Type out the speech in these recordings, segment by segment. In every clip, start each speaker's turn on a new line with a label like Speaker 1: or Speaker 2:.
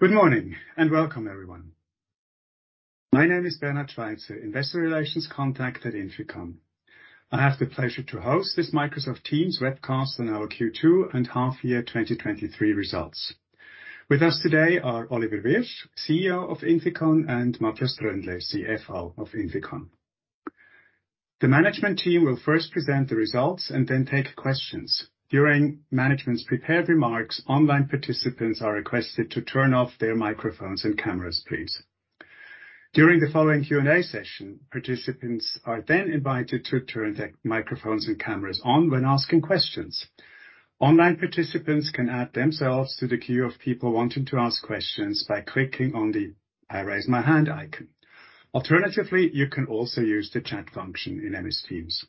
Speaker 1: Good morning, welcome, everyone. My name is Bernhard Schweizer, investor relations contact at INFICON. I have the pleasure to host this Microsoft Teams webcast on our Q2 and half year 2023 results. With us today are Lukas Winkler, CEO of INFICON, and Matthias Trondle, CFO of INFICON. The management team will first present the results and then take questions. During management's prepared remarks, online participants are requested to turn off their microphones and cameras, please. During the following Q&A session, participants are then invited to turn their microphones and cameras on when asking questions. Online participants can add themselves to the queue of people wanting to ask questions by clicking on the I Raise My Hand icon. Alternatively, you can also use the chat function in MS Teams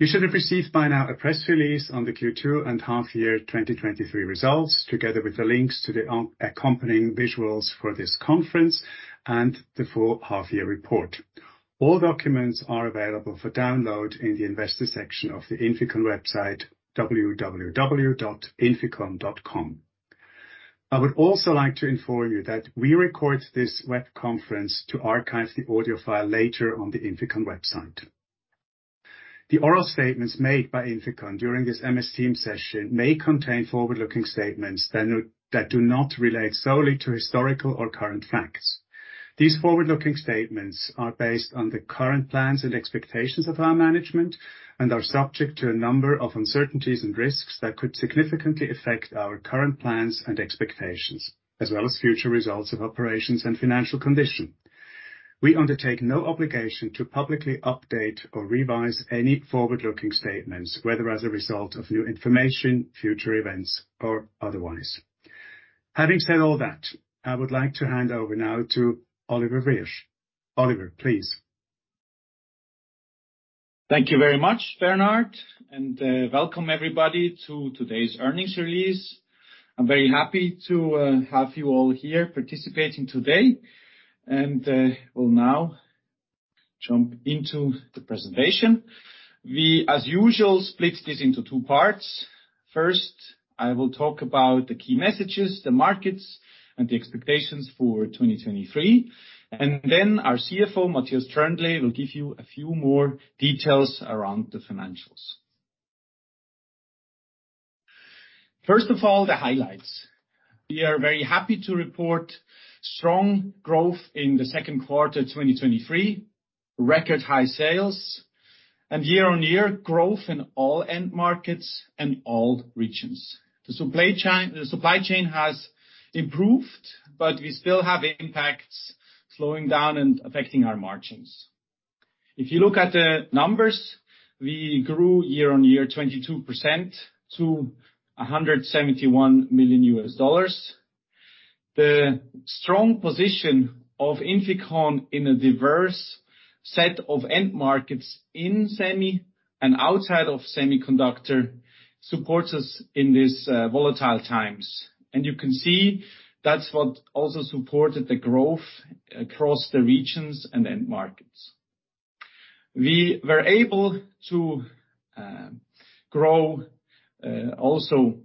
Speaker 1: You should have received by now a press release on the Q2 and half year 2023 results, together with the links to the accompanying visuals for this conference and the full half year report. All documents are available for download in the investor section of the INFICON website, www.inficon.com. I would also like to inform you that we record this web conference to archive the audio file later on the INFICON website. The oral statements made by INFICON during this MS Team session may contain forward-looking statements that do not relate solely to historical or current facts. These forward-looking statements are based on the current plans and expectations of our management and are subject to a number of uncertainties and risks that could significantly affect our current plans and expectations, as well as future results of operations and financial condition. We undertake no obligation to publicly update or revise any forward-looking statements, whether as a result of new information, future events, or otherwise. Having said all that, I would like to hand over now to Oliver Wyrsch. Oliver, please.
Speaker 2: Thank you very much, Bernhard, welcome, everybody, to today's earnings release. I'm very happy to have you all here participating today, we'll now jump into the presentation. We, as usual, split this into two parts. First, I will talk about the key messages, the markets, and the expectations for 2023, then our CFO, Matthias Tröndle, will give you a few more details around the financials. First of all, the highlights. We are very happy to report strong growth in the second quarter, 2023, record high sales, and year-on-year growth in all end markets and all regions. The supply chain has improved, we still have impacts slowing down and affecting our margins. If you look at the numbers, we grew year-on-year 22% to $171 million. The strong position of INFICON in a diverse set of end markets in Semi and outside of semiconductor supports us in this volatile times. You can see that's what also supported the growth across the regions and end markets. We were able to grow also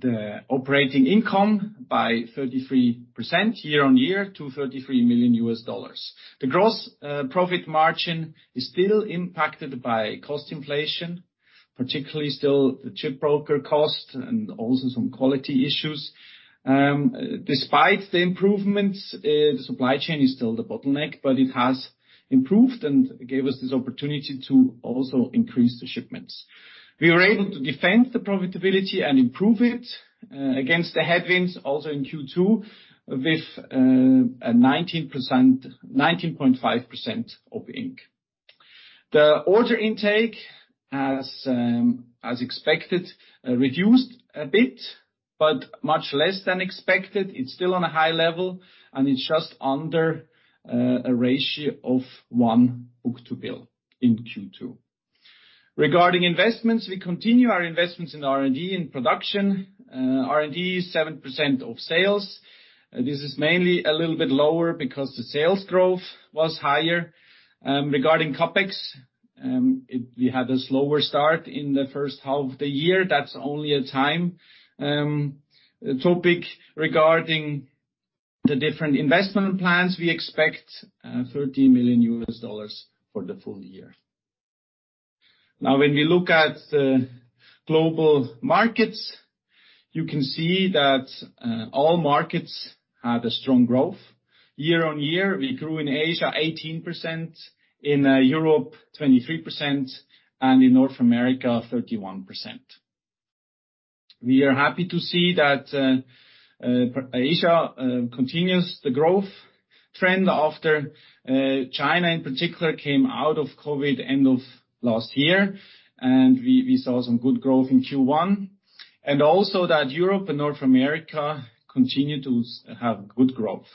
Speaker 2: the operating income by 33% year-on-year to $33 million. The gross profit margin is still impacted by cost inflation, particularly still the chip broker cost and also some quality issues. Despite the improvements, the supply chain is still the bottleneck, but it has improved and gave us this opportunity to also increase the shipments. We were able to defend the profitability and improve it against the headwinds, also in Q2, with a 19.5% of inc. The order intake has, as expected, reduced a bit, but much less than expected. It's still on a high level. It's just under a ratio of one book to bill in Q2. Regarding investments, we continue our investments in R&D and production. R&D is 7% of sales. This is mainly a little bit lower because the sales growth was higher. Regarding CapEx, we had a slower start in the first half of the year. That's only a time topic. Regarding the different investment plans, we expect $13 million for the full year. When we look at the global markets, you can see that all markets had a strong growth. Year-on-year, we grew in Asia 18%, in Europe 23%, in North America 31%. We are happy to see that Asia continues the growth trend after China in particular, came out of COVID end of last year, and we saw some good growth in Q1, and also that Europe and North America continue to have good growth.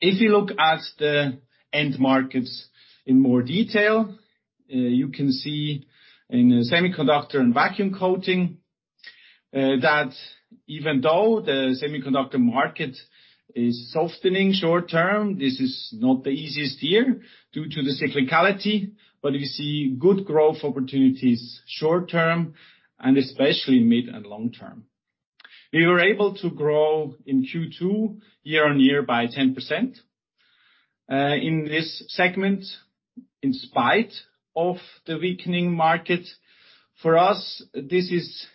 Speaker 2: If you look at the end markets in more detail, you can see in the semiconductor and vacuum coating that even though the semiconductor market is softening short term, this is not the easiest year due to the cyclicality, but we see good growth opportunities short term and especially mid and long term. We were able to grow in Q2 year-on-year by 10% in this segment, in spite of the weakening market. For us, this is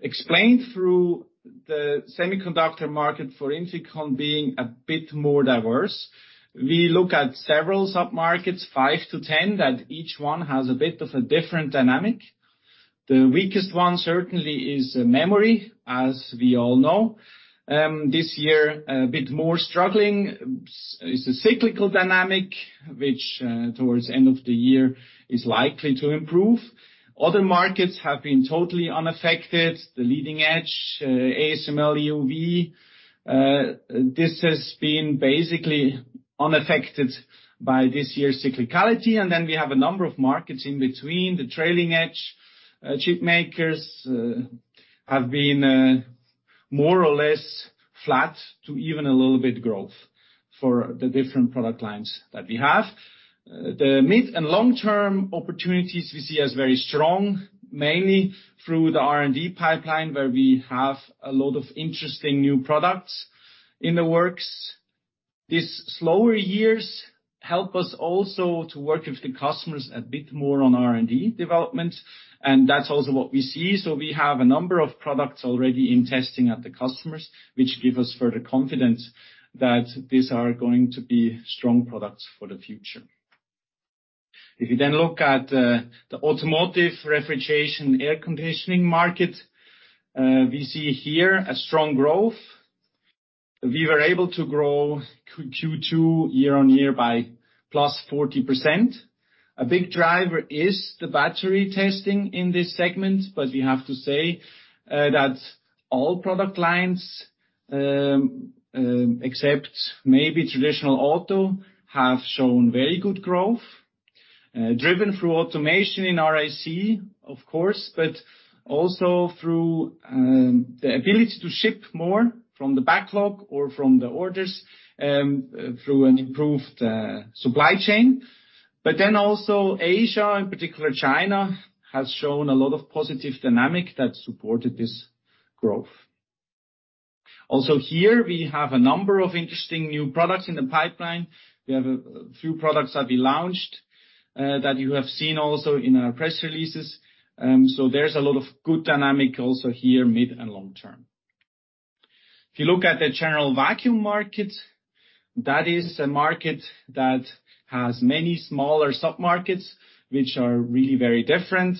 Speaker 2: explained through the semiconductor market for INFICON being a bit more diverse. We look at several sub-markets, five to 10, that each one has a bit of a different dynamic. The weakest one certainly is memory, as we all know. This year, a bit more struggling. It's a cyclical dynamic, which towards the end of the year, is likely to improve. Other markets have been totally unaffected. The leading edge, ASML EUV, this has been basically unaffected by this year's cyclicality. We have a number of markets in between. The trailing edge. Chip makers have been more or less flat to even a little bit growth for the different product lines that we have. The mid and long-term opportunities we see as very strong, mainly through the R&D pipeline, where we have a lot of interesting new products in the works. These slower years help us also to work with the customers a bit more on R&D development, and that's also what we see. We have a number of products already in testing at the customers, which give us further confidence that these are going to be strong products for the future. If you look at the automotive, refrigeration, air conditioning market, we see here a strong growth. We were able to grow Q2 year-on-year by +40%. A big driver is the battery testing in this segment, but we have to say that all product lines, except maybe traditional auto, have shown very good growth, driven through automation in RAC, of course, but also through the ability to ship more from the backlog or from the orders, through an improved supply chain. Also Asia, in particular, China, has shown a lot of positive dynamic that supported this growth. Also here, we have a number of interesting new products in the pipeline. We have a few products that we launched, that you have seen also in our press releases. There's a lot of good dynamic also here, mid and long term. If you look at the General Vacuum market, that is a market that has many smaller sub-markets, which are really very different.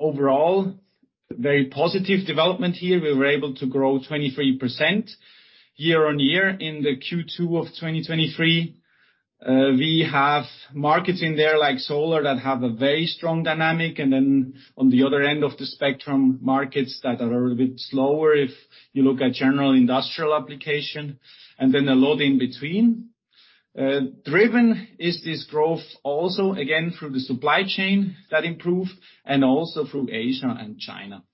Speaker 2: Overall, very positive development here. We were able to grow 23% year-on-year in the Q2 of 2023. We have markets in there, like solar, that have a very strong dynamic, and then on the other end of the spectrum, markets that are a little bit slower, if you look at general industrial application, and then a lot in between. Driven is this growth also, again, through the supply chain that improved and also through Asia and China.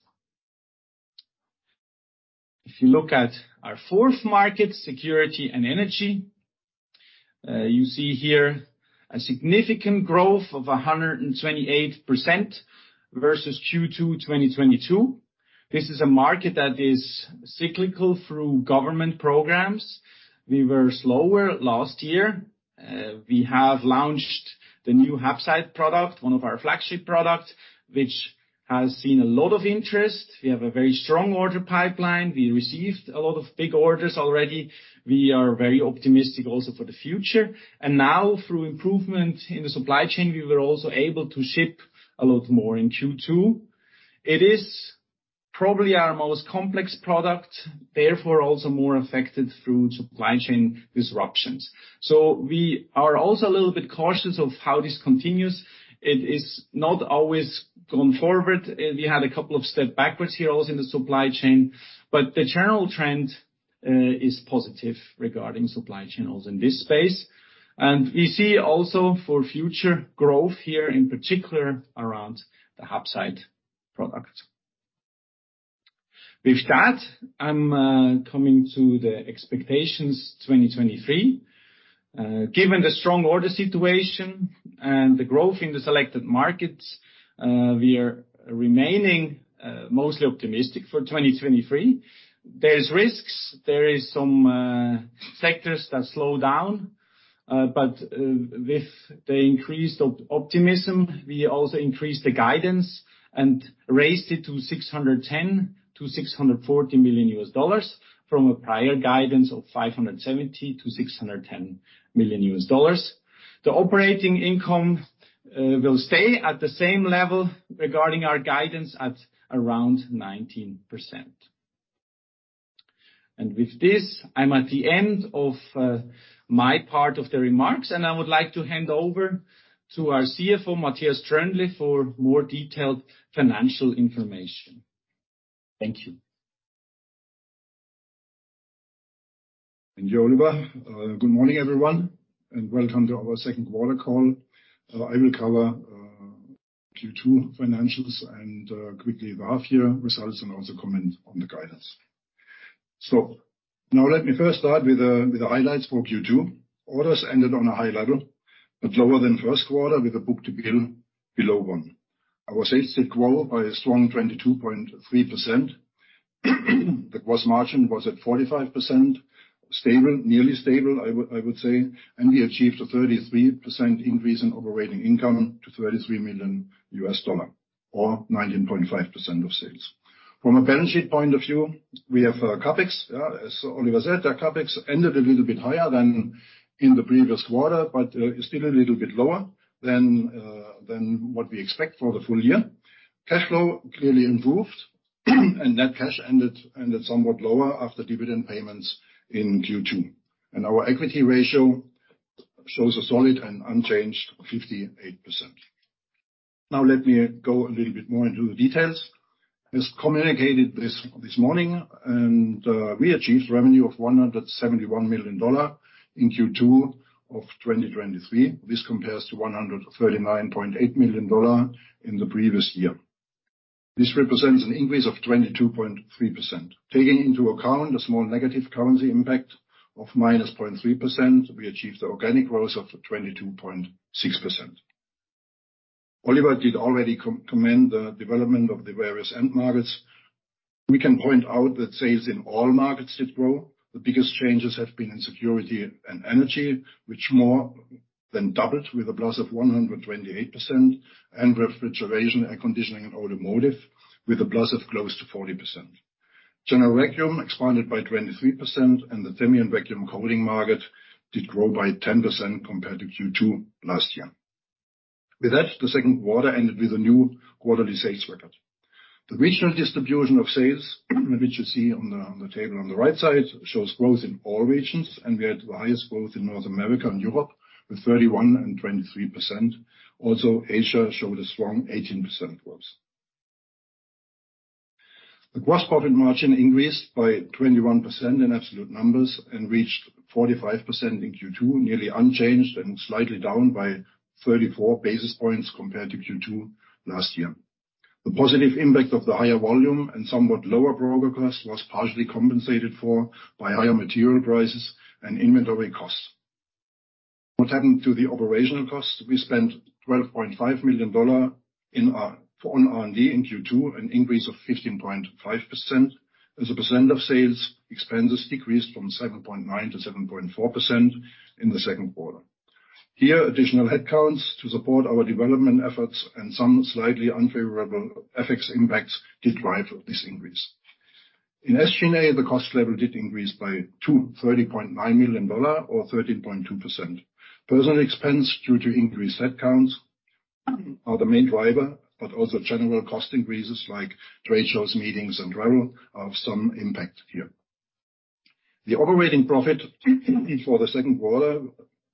Speaker 2: If you look at our fourth market, security and energy, you see here a significant growth of 128% versus Q2 2022. This is a market that is cyclical through government programs. We were slower last year. We have launched the new Hapside product, one of our flagship product, which has seen a lot of interest. We have a very strong order pipeline. We received a lot of big orders already. We are very optimistic also for the future. Through improvement in the supply chain, we were also able to ship a lot more in Q2. It is probably our most complex product, therefore, also more affected through supply chain disruptions. We are also a little bit cautious of how this continues. It is not always going forward. We had a couple of step backwards here also in the supply chain, but the general trend is positive regarding supply channels in this space. We see also for future growth here, in particular, around the Hapside product. With that, I'm coming to the expectations 2023. Given the strong order situation and the growth in the selected markets, we are remaining mostly optimistic for 2023. There's risks. There is some sectors that slow down, but with the increased optimism, we also increased the guidance and raised it to $610 million-$640 million, from a prior guidance of $570 million-$610 million. The operating income will stay at the same level regarding our guidance at around 19%. With this, I'm at the end of my part of the remarks, and I would like to hand over to our CFO, Matthias Trondle, for more detailed financial information. Thank you.
Speaker 3: You, Oliver. Good morning, everyone, and welcome to our second quarter call. I will cover Q2 financials and quickly the half year results, and also comment on the guidance. Now let me first start with the highlights for Q2. Orders ended on a high level, but lower than Q1, with a book-to-bill below one. Our sales did grow by a strong 22.3%. The gross margin was at 45%, stable, nearly stable, I would say, and we achieved a 33% increase in operating income to $33 million, or 19.5% of sales. From a balance sheet point of view, we have CapEx. As Lukas said, our CapEx ended a little bit higher than in the previous quarter, still a little bit lower than what we expect for the full year. Cash flow clearly improved, net cash ended somewhat lower after dividend payments in Q2. Our equity ratio shows a solid and unchanged 58%. Let me go a little bit more into the details. As communicated this morning, we achieved revenue of $171 million in Q2 of 2023. This compares to $139.8 million in the previous year. This represents an increase of 22.3%. Taking into account a small negative currency impact of -0.3%, we achieved organic growth of 22.6%. Oliver did already comment the development of the various end markets. We can point out that sales in all markets did grow. The biggest changes have been in security and energy, which more than doubled with a plus of 128%, and refrigeration, air conditioning, and automotive, with a plus of close to 40%. General Vacuum expanded by 23%, and the thin vacuum coating market did grow by 10% compared to Q2 last year. With that,Q2 ended with a new quarterly sales record. The regional distribution of sales, which you see on the table on the right side, shows growth in all regions, and we had the highest growth in North America and Europe, with 31% and 23%. Also, Asia showed a strong 18% growth. The gross profit margin increased by 21% in absolute numbers and reached 45% in Q2, nearly unchanged and slightly down by 34 basis points compared to Q2 last year. The positive impact of the higher volume and somewhat lower broker cost was partially compensated for by higher material prices and inventory costs. What happened to the operational costs? We spent $12.5 million on R&D in Q2, an increase of 15.5%. As a percent of sales, expenses decreased from 7.9% to 7.4% in the Q2. Here, additional headcounts to support our development efforts and some slightly unfavorable FX impacts did drive this increase. In SG&A, the cost level did increase by $230.9 million, or 13.2%. Personnel expense due to increased headcounts are the main driver, but also general cost increases like trade shows, meetings, and travel have some impact here. The operating profit for the Q2,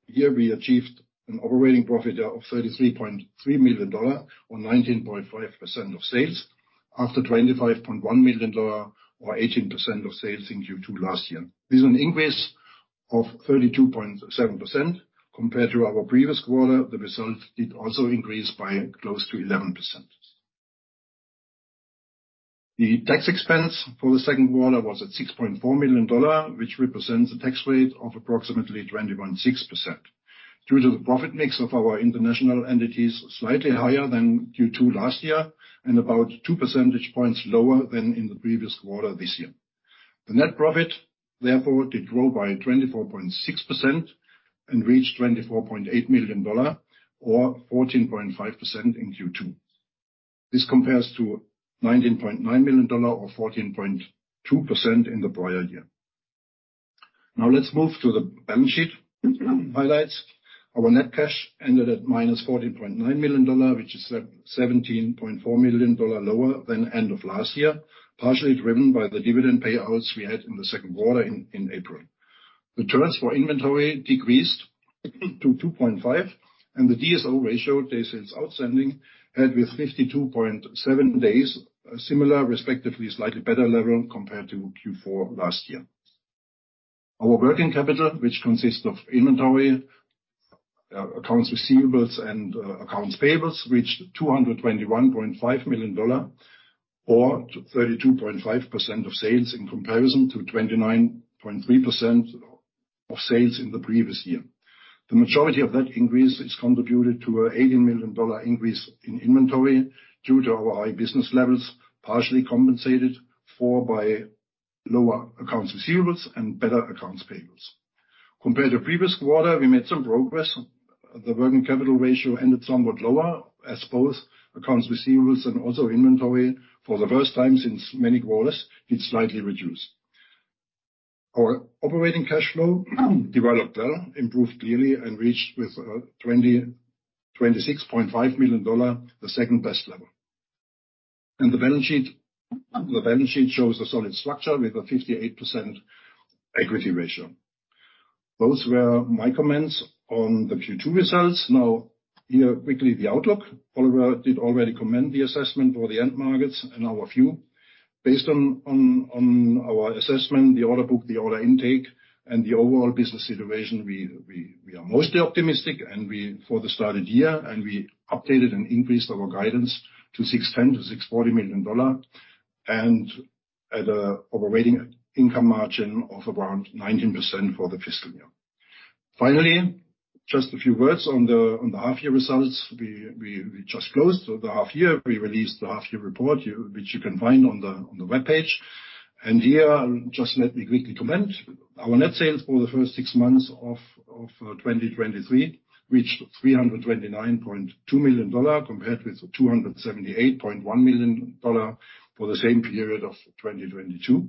Speaker 3: here we achieved an operating profit of $33.3 million, or 19.5% of sales, after $25.1 million, or 18% of sales, in Q2 last year. This is an increase of 32.7%. Compared to our previous quarter, the result did also increase by close to 11%. The tax expense for the second quarter was at $6.4 million, which represents a tax rate of approximately 20.6%. Due to the profit mix of our international entities, slightly higher than Q2 last year, and about 2% points lower than in the previous quarter this year. The net profit, therefore, did grow by 24.6% and reached $24.8 million, or 14.5% in Q2. This compares to $19.9 million, or 14.2%, in the prior year. Let's move to the balance sheet highlights. Our net cash ended at -$14.9 million, which is $17.4 million lower than end of last year, partially driven by the dividend payouts we had in Q2 in April. The turns for inventory decreased to two point five, and the DSO ratio, days sales outstanding, ended with 52.7 days, a similar, respectively, slightly better level compared to Q4 last year. Our working capital, which consists of inventory, accounts receivables, and accounts payables, reached $221.5 million, or 32.5% of sales, in comparison to 29.3% of sales in the previous year. The majority of that increase is contributed to an $80 million increase in inventory due to our high business levels, partially compensated for by lower accounts receivables and better accounts payables. Compared to previous quarter, we made some progress. The working capital ratio ended somewhat lower, as both accounts receivables and also inventory, for the first time since many quarters, did slightly reduce. Our operating cash flow developed, improved clearly, and reached with $26.5 million, the second best level. The balance sheet shows a solid structure with a 58% equity ratio. Those were my comments on the Q2 results. Now, here, quickly, the outlook. Oliver did already comment the assessment for the end markets and our view. Based on our assessment, the order book, the order intake, and the overall business situation, we are mostly optimistic, and for the started year, and we updated and increased our guidance to $610 million to $640 million, and at an operating income margin of around 19% for the fiscal year. Finally, just a few words on the half year results. We just closed the half year. We released the half year report, which you can find on the webpage. Here, just let me quickly comment. Our net sales for the first six months of 2023 reached $329.2 million, compared with $278.1 million for the same period of 2022,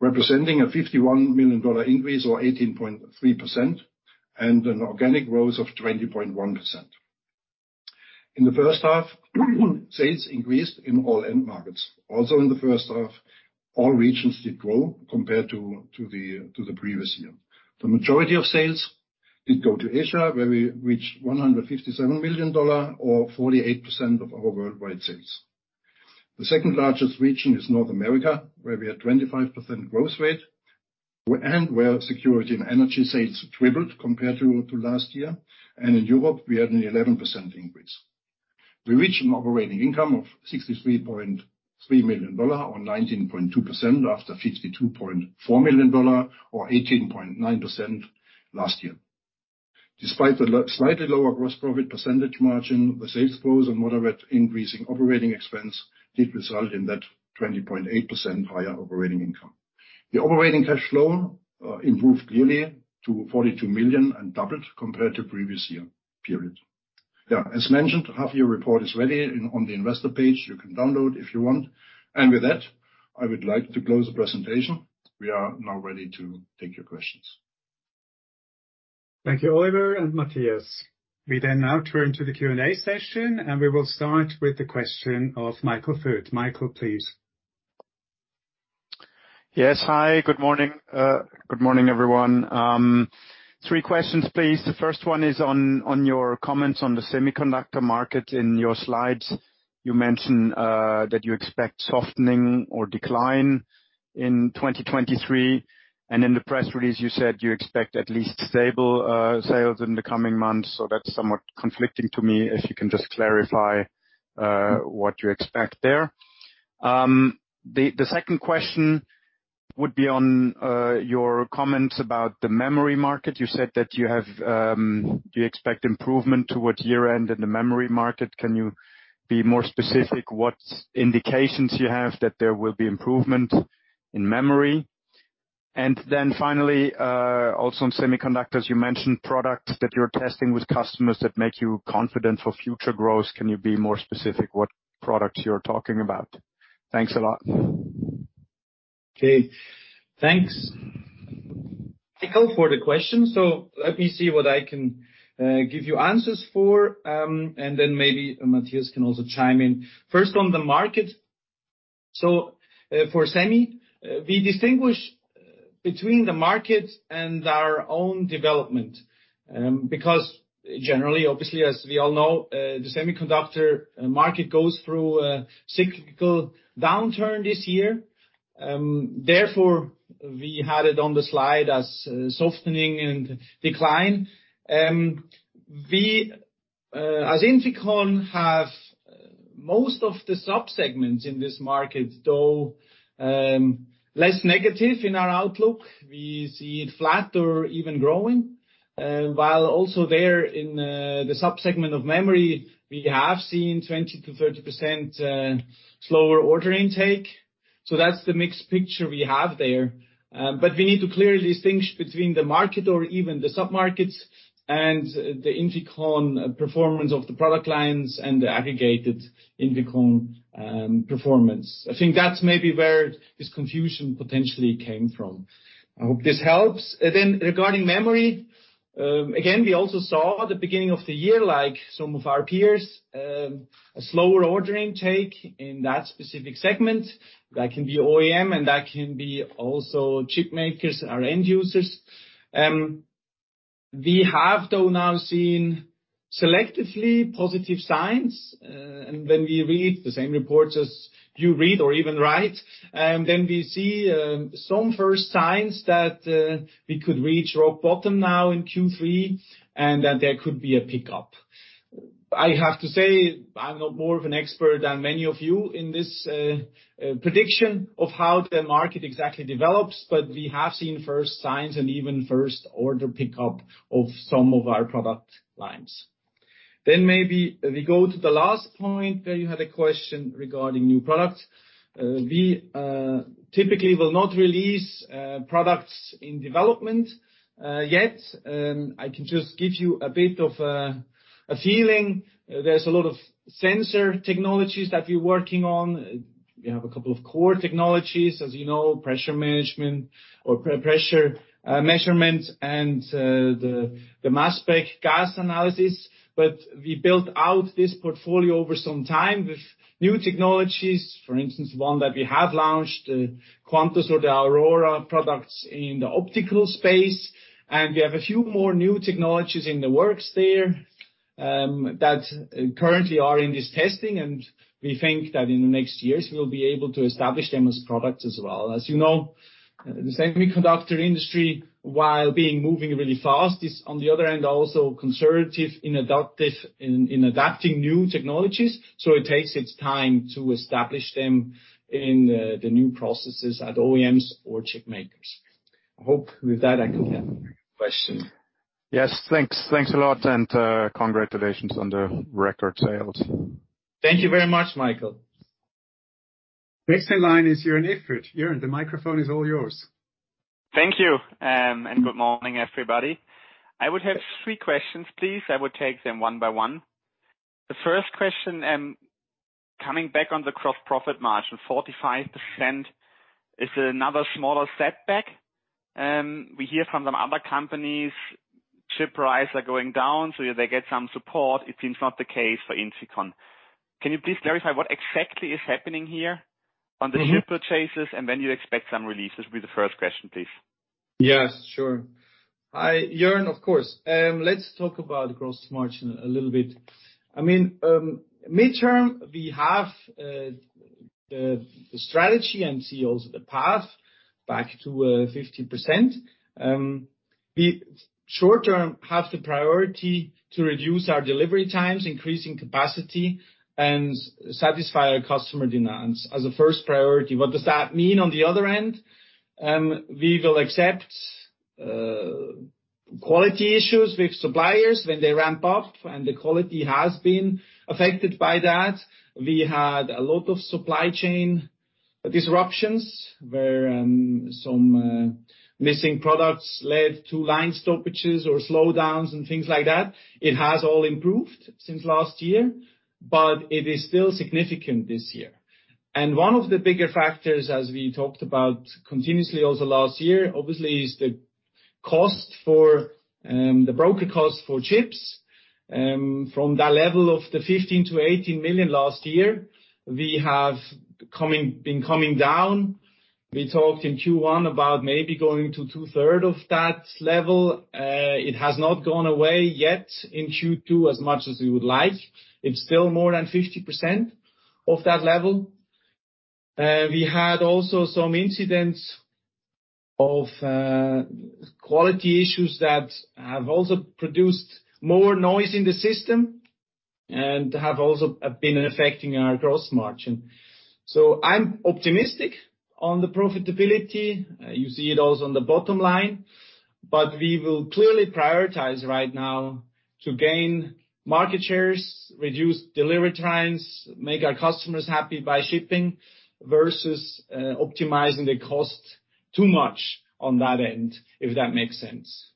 Speaker 3: representing a $51 million increase, or 18.3%, and an organic growth of 20.1%. In the first half, sales increased in all end markets. Also, in the first half, all regions did grow compared to the previous year. The majority of sales did go to Asia, where we reached $157 million or 48% of our worldwide sales. The second largest region is North America, where we had 25% growth rate and where security and energy sales tripled compared to last year, and in Europe, we had an 11% increase. We reached an operating income of $63.3 million, or 19.2%, after $52.4 million, or 18.9% last year. Despite the slightly lower gross profit percentage margin, the sales growth and moderate increase in operating expense did result in that 20.8% higher operating income. The operating cash flow improved yearly to $42 million and doubled compared to previous year period. Yeah, as mentioned, half year report is ready on the investor page. You can download if you want. With that, I would like to close the presentation. We are now ready to take your questions.
Speaker 1: Thank you, Oliver and Matthias. We now turn to the Q&A session. We will start with the question of Michael Foertsch. Michael, please.
Speaker 4: Yes. Hi, good morning. Good morning, everyone. Three questions, please. The first one is on your comments on the semiconductor market. In your slides, you mention that you expect softening or decline in 2023, and in the press release, you said you expect at least stable sales in the coming months, so that's somewhat conflicting to me. If you can just clarify what you expect there. The second question would be on your comments about the memory market. You said that you expect improvement towards year-end in the memory market. Can you be more specific what indications you have that there will be improvement in memory? Finally, also on semiconductors, you mentioned products that you're testing with customers that make you confident for future growth. Can you be more specific what products you're talking about? Thanks a lot.
Speaker 2: Okay. Thanks, Michael, for the question. Let me see what I can give you answers for, and then maybe Matthias can also chime in. First, on the market, for Semi, we distinguish between the market and our own development, because generally, obviously, as we all know, the semiconductor market goes through a cyclical downturn this year. Therefore, we had it on the slide as softening and decline. We, as INFICON, have most of the subsegments in this market, though, less negative in our outlook. We see it flat or even growing, while also there in the subsegment of memory, we have seen 20% to 30% slower order intake. That's the mixed picture we have there, but we need to clearly distinguish between the market or even the submarkets and the INFICON performance of the product lines and the aggregated INFICON performance. I think that's maybe where this confusion potentially came from. I hope this helps. Regarding memory, again, we also saw the beginning of the year, like some of our peers, a slower order intake in that specific segment. That can be OEM, and that can be also chip makers and our end users. We have, though, now seen selectively positive signs, and when we read the same reports as you read or even write, then we see, some first signs that, we could reach rock bottom now in Q3, and that there could be a pickup. I have to say, I'm not more of an expert than many of you in this prediction of how the market exactly develops, but we have seen first signs and even first order pickup of some of our product lines. Maybe we go to the last point, where you had a question regarding new products. We typically will not release products in development yet. I can just give you a bit of a feeling. There's a lot of sensor technologies that we're working on. We have a couple of core technologies, as you know, pressure management or pressure measurement and the mass spec gas analysis. We built out this portfolio over some time with new technologies. For instance, one that we have launched, the Quantus or the Aurora products in the optical space, and we have a few more new technologies in the works there, that currently are in this testing, and we think that in the next years, we'll be able to establish them as products as well. As you know, the semiconductor industry, while being moving really fast, is, on the other hand, also conservative in adapting new technologies. It takes its time to establish them in the new processes at OEMs or chip makers. I hope with that I can answer your question.
Speaker 4: Yes, thanks. Thanks a lot, and, congratulations on the record sales.
Speaker 2: Thank you very much, Michael.
Speaker 1: Next in line is Joern Iffert. Joern, the microphone is all yours.
Speaker 5: Thank you. Good morning, everybody. I would have three questions, please. I would take them one by one. The first question, coming back on the gross profit margin, 45%, is it another smaller setback? We hear from some other companies, chip prices are going down, so they get some support. It seems not the case for INFICON. Can you please clarify what exactly is happening here on the shipper chases? When you expect some release? This will be the first question, please.
Speaker 2: Yes, sure. Hi, Joern, of course. Let's talk about gross margin a little bit. I mean, midterm, we have the strategy and see also the path back to 50%. We, short term, have the priority to reduce our delivery times, increasing capacity and satisfy our customer demands as a first priority. What does that mean on the other end? We will accept quality issues with suppliers when they ramp up, and the quality has been affected by that. We had a lot of supply chain disruptions, where some missing products led to line stoppages or slowdowns and things like that. It has all improved since last year, but it is still significant this year. One of the bigger factors, as we talked about continuously over the last year, obviously, is the cost for the broker cost for chips. From that level of the $15 million-$18 million last year, we have been coming down. We talked in Q1 about maybe going to two third of that level. It has not gone away yet in Q2 as much as we would like. It's still more than 50% of that level. We had also some incidents of quality issues that have also produced more noise in the system and have also been affecting our gross margin. I'm optimistic on the profitability. You see it also on the bottom line, but we will clearly prioritize right now to gain market shares, reduce delivery times, make our customers happy by shipping versus optimizing the cost too much on that end, if that makes sense.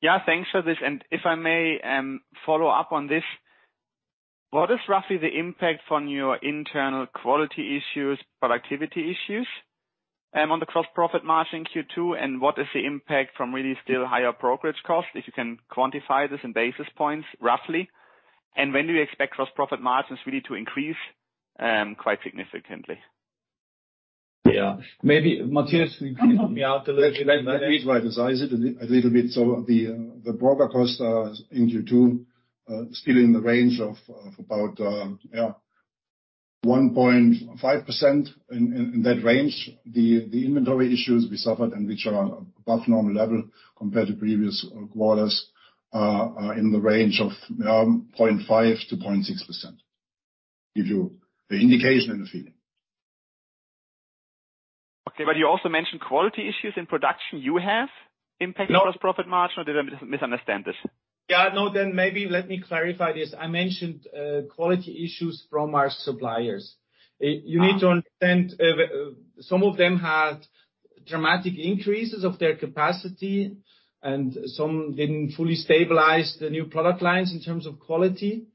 Speaker 5: Yeah, thanks for this, and if I may follow up on this, what is roughly the impact on your internal quality issues, productivity issues, on the gross profit margin in Q2, and what is the impact from really still higher brokerage costs? If you can quantify this in basis points, roughly. When do you expect gross profit margins really to increase quite significantly?
Speaker 2: Yeah. Maybe Matthias, can you help me out a little bit?
Speaker 3: Let me try to size it a little bit. The broker costs are in Q2 still in the range of about, yeah, 1.5% in that range. The inventory issues we suffered, and which are above normal level compared to previous quarters, are in the range of 0.5% to 0.6%. Give you the indication and the feeling.
Speaker 5: Okay, you also mentioned quality issues in production.
Speaker 2: Yeah
Speaker 5: -profit margin, or did I misunderstand this?
Speaker 2: Yeah, no, then maybe let me clarify this. I mentioned quality issues from our suppliers.
Speaker 5: Ah.
Speaker 2: You need to understand, some of them had dramatic increases of their capacity, and some didn't fully stabilize the new product lines in terms of quality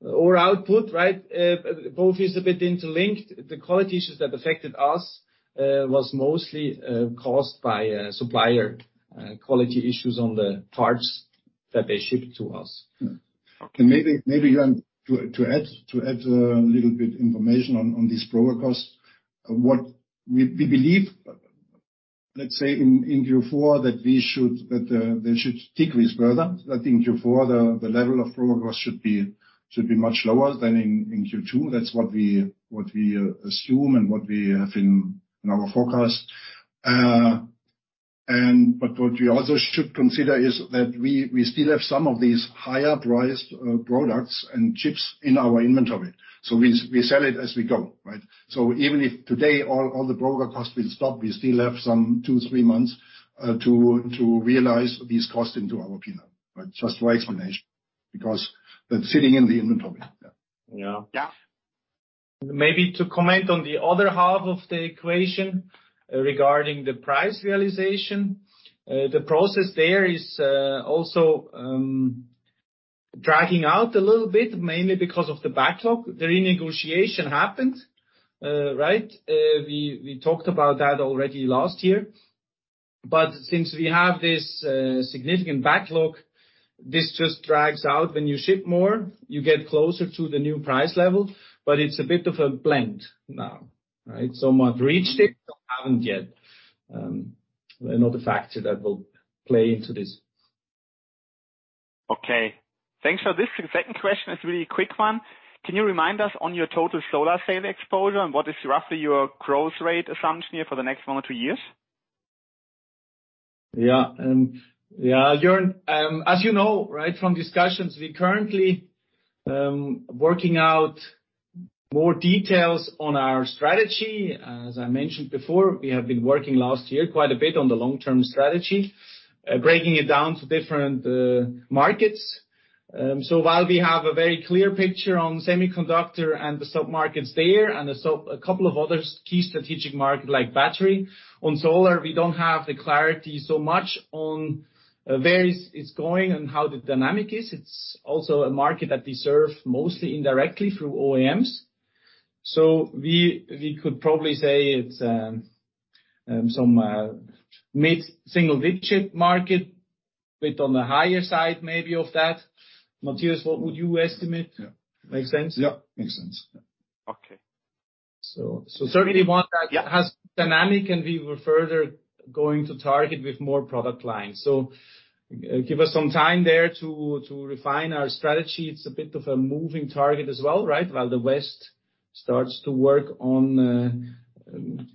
Speaker 2: or output, right? Both is a bit interlinked. The quality issues that affected us, was mostly caused by supplier quality issues on the parts that they shipped to us.
Speaker 3: Maybe, Joern, to add little bit information on this broker cost. What we believe, let's say in Q4, that they should decrease further. That in Q4, the level of broker cost should be much lower than in Q2. That's what we assume and what we have in our forecast. But what we also should consider is that we still have some of these higher-priced products and chips in our inventory, so we sell it as we go, right? So even if today, all the broker costs will stop, we still have some two to three months to realize these costs into our P&L, right? Just for explanation, because that's sitting in the inventory.
Speaker 5: Yeah.
Speaker 2: Yeah. Maybe to comment on the other half of the equation regarding the price realization. The process there is also dragging out a little bit, mainly because of the backlog. The renegotiation happened, right? We talked about that already last year. Since we have this significant backlog, this just drags out. When you ship more, you get closer to the new price level, but it's a bit of a blend now, right? Some have reached it, some haven't yet. Another factor that will play into this.
Speaker 5: Okay. Thanks for this. The second question is a really quick one. Can you remind us on your total solar sale exposure, and what is roughly your growth rate assumption here for the next one or two years?
Speaker 2: Yeah, Joern, as you know, right, from discussions, we're currently working out more details on our strategy. As I mentioned before, we have been working last year quite a bit on the long-term strategy, breaking it down to different markets. While we have a very clear picture on semiconductor and the sub-markets there, a couple of other key strategic market like battery, on solar, we don't have the clarity so much on where it's going and how the dynamic is. It's also a market that we serve mostly indirectly through OEMs. We could probably say it's some mid-single-digit market, bit on the higher side, maybe, of that. Matthias, what would you estimate?
Speaker 3: Yeah.
Speaker 2: Make sense?
Speaker 3: Yeah, makes sense. Yeah.
Speaker 5: Okay.
Speaker 2: Certainly one.
Speaker 5: Yeah
Speaker 2: Has dynamic, we were further going to target with more product lines. Give us some time there to refine our strategy. It's a bit of a moving target as well, right. While the West starts to work on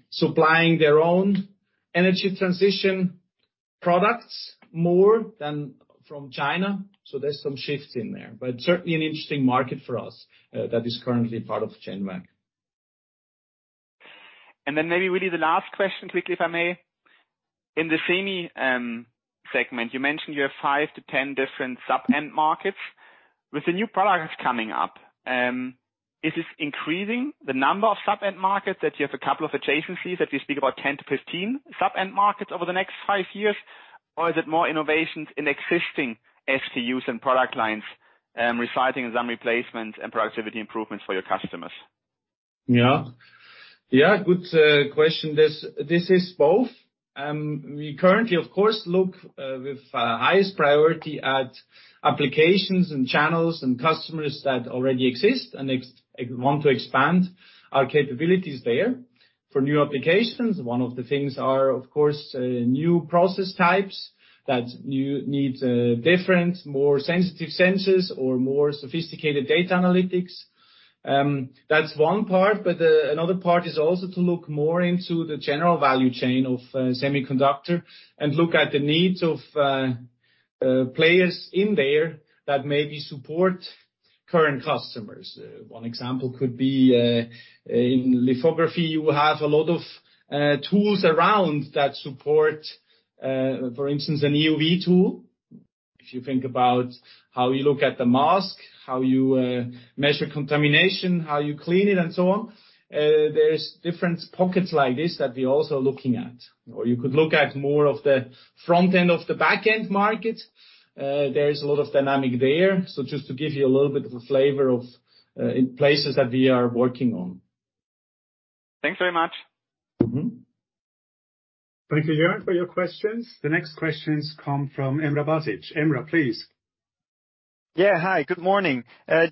Speaker 2: supplying their own energy transition products more than from China, there's some shifts in there, but certainly an interesting market for us, that is currently part of Genvac.
Speaker 5: Maybe really the last question, quickly, if I may? In the semi segment, you mentioned you have five to 10 different sub-end markets. With the new products coming up, is this increasing the number of sub-end markets, that you have a couple of adjacencies, that we speak about 10 to 15 sub-end markets over the next five years, or is it more innovations in existing STUs and product lines, reciting some replacements and productivity improvements for your customers?
Speaker 2: Yeah. Yeah, good question. This is both. We currently, of course, look with highest priority at applications and channels and customers that already exist, and want to expand our capabilities there. For new applications, one of the things are, of course, new process types, that you need different, more sensitive sensors or more sophisticated data analytics. That's one part. Another part is also to look more into the general value chain of semiconductor and look at the needs of players in there that maybe support current customers. One example could be in lithography, you have a lot of tools around that support, for instance, an EUV tool. If you think about how you look at the mask, how you measure contamination, how you clean it, and so on, there's different pockets like this that we're also looking at. You could look at more of the front end of the back-end market. There's a lot of dynamic there. Just to give you a little bit of a flavor of, in places that we are working on.
Speaker 5: Thanks very much.
Speaker 2: Mm-hmm.
Speaker 1: Thank you, Joran, for your questions. The next questions come from Emrah Basic. Emrah, please.
Speaker 6: Hi, good morning.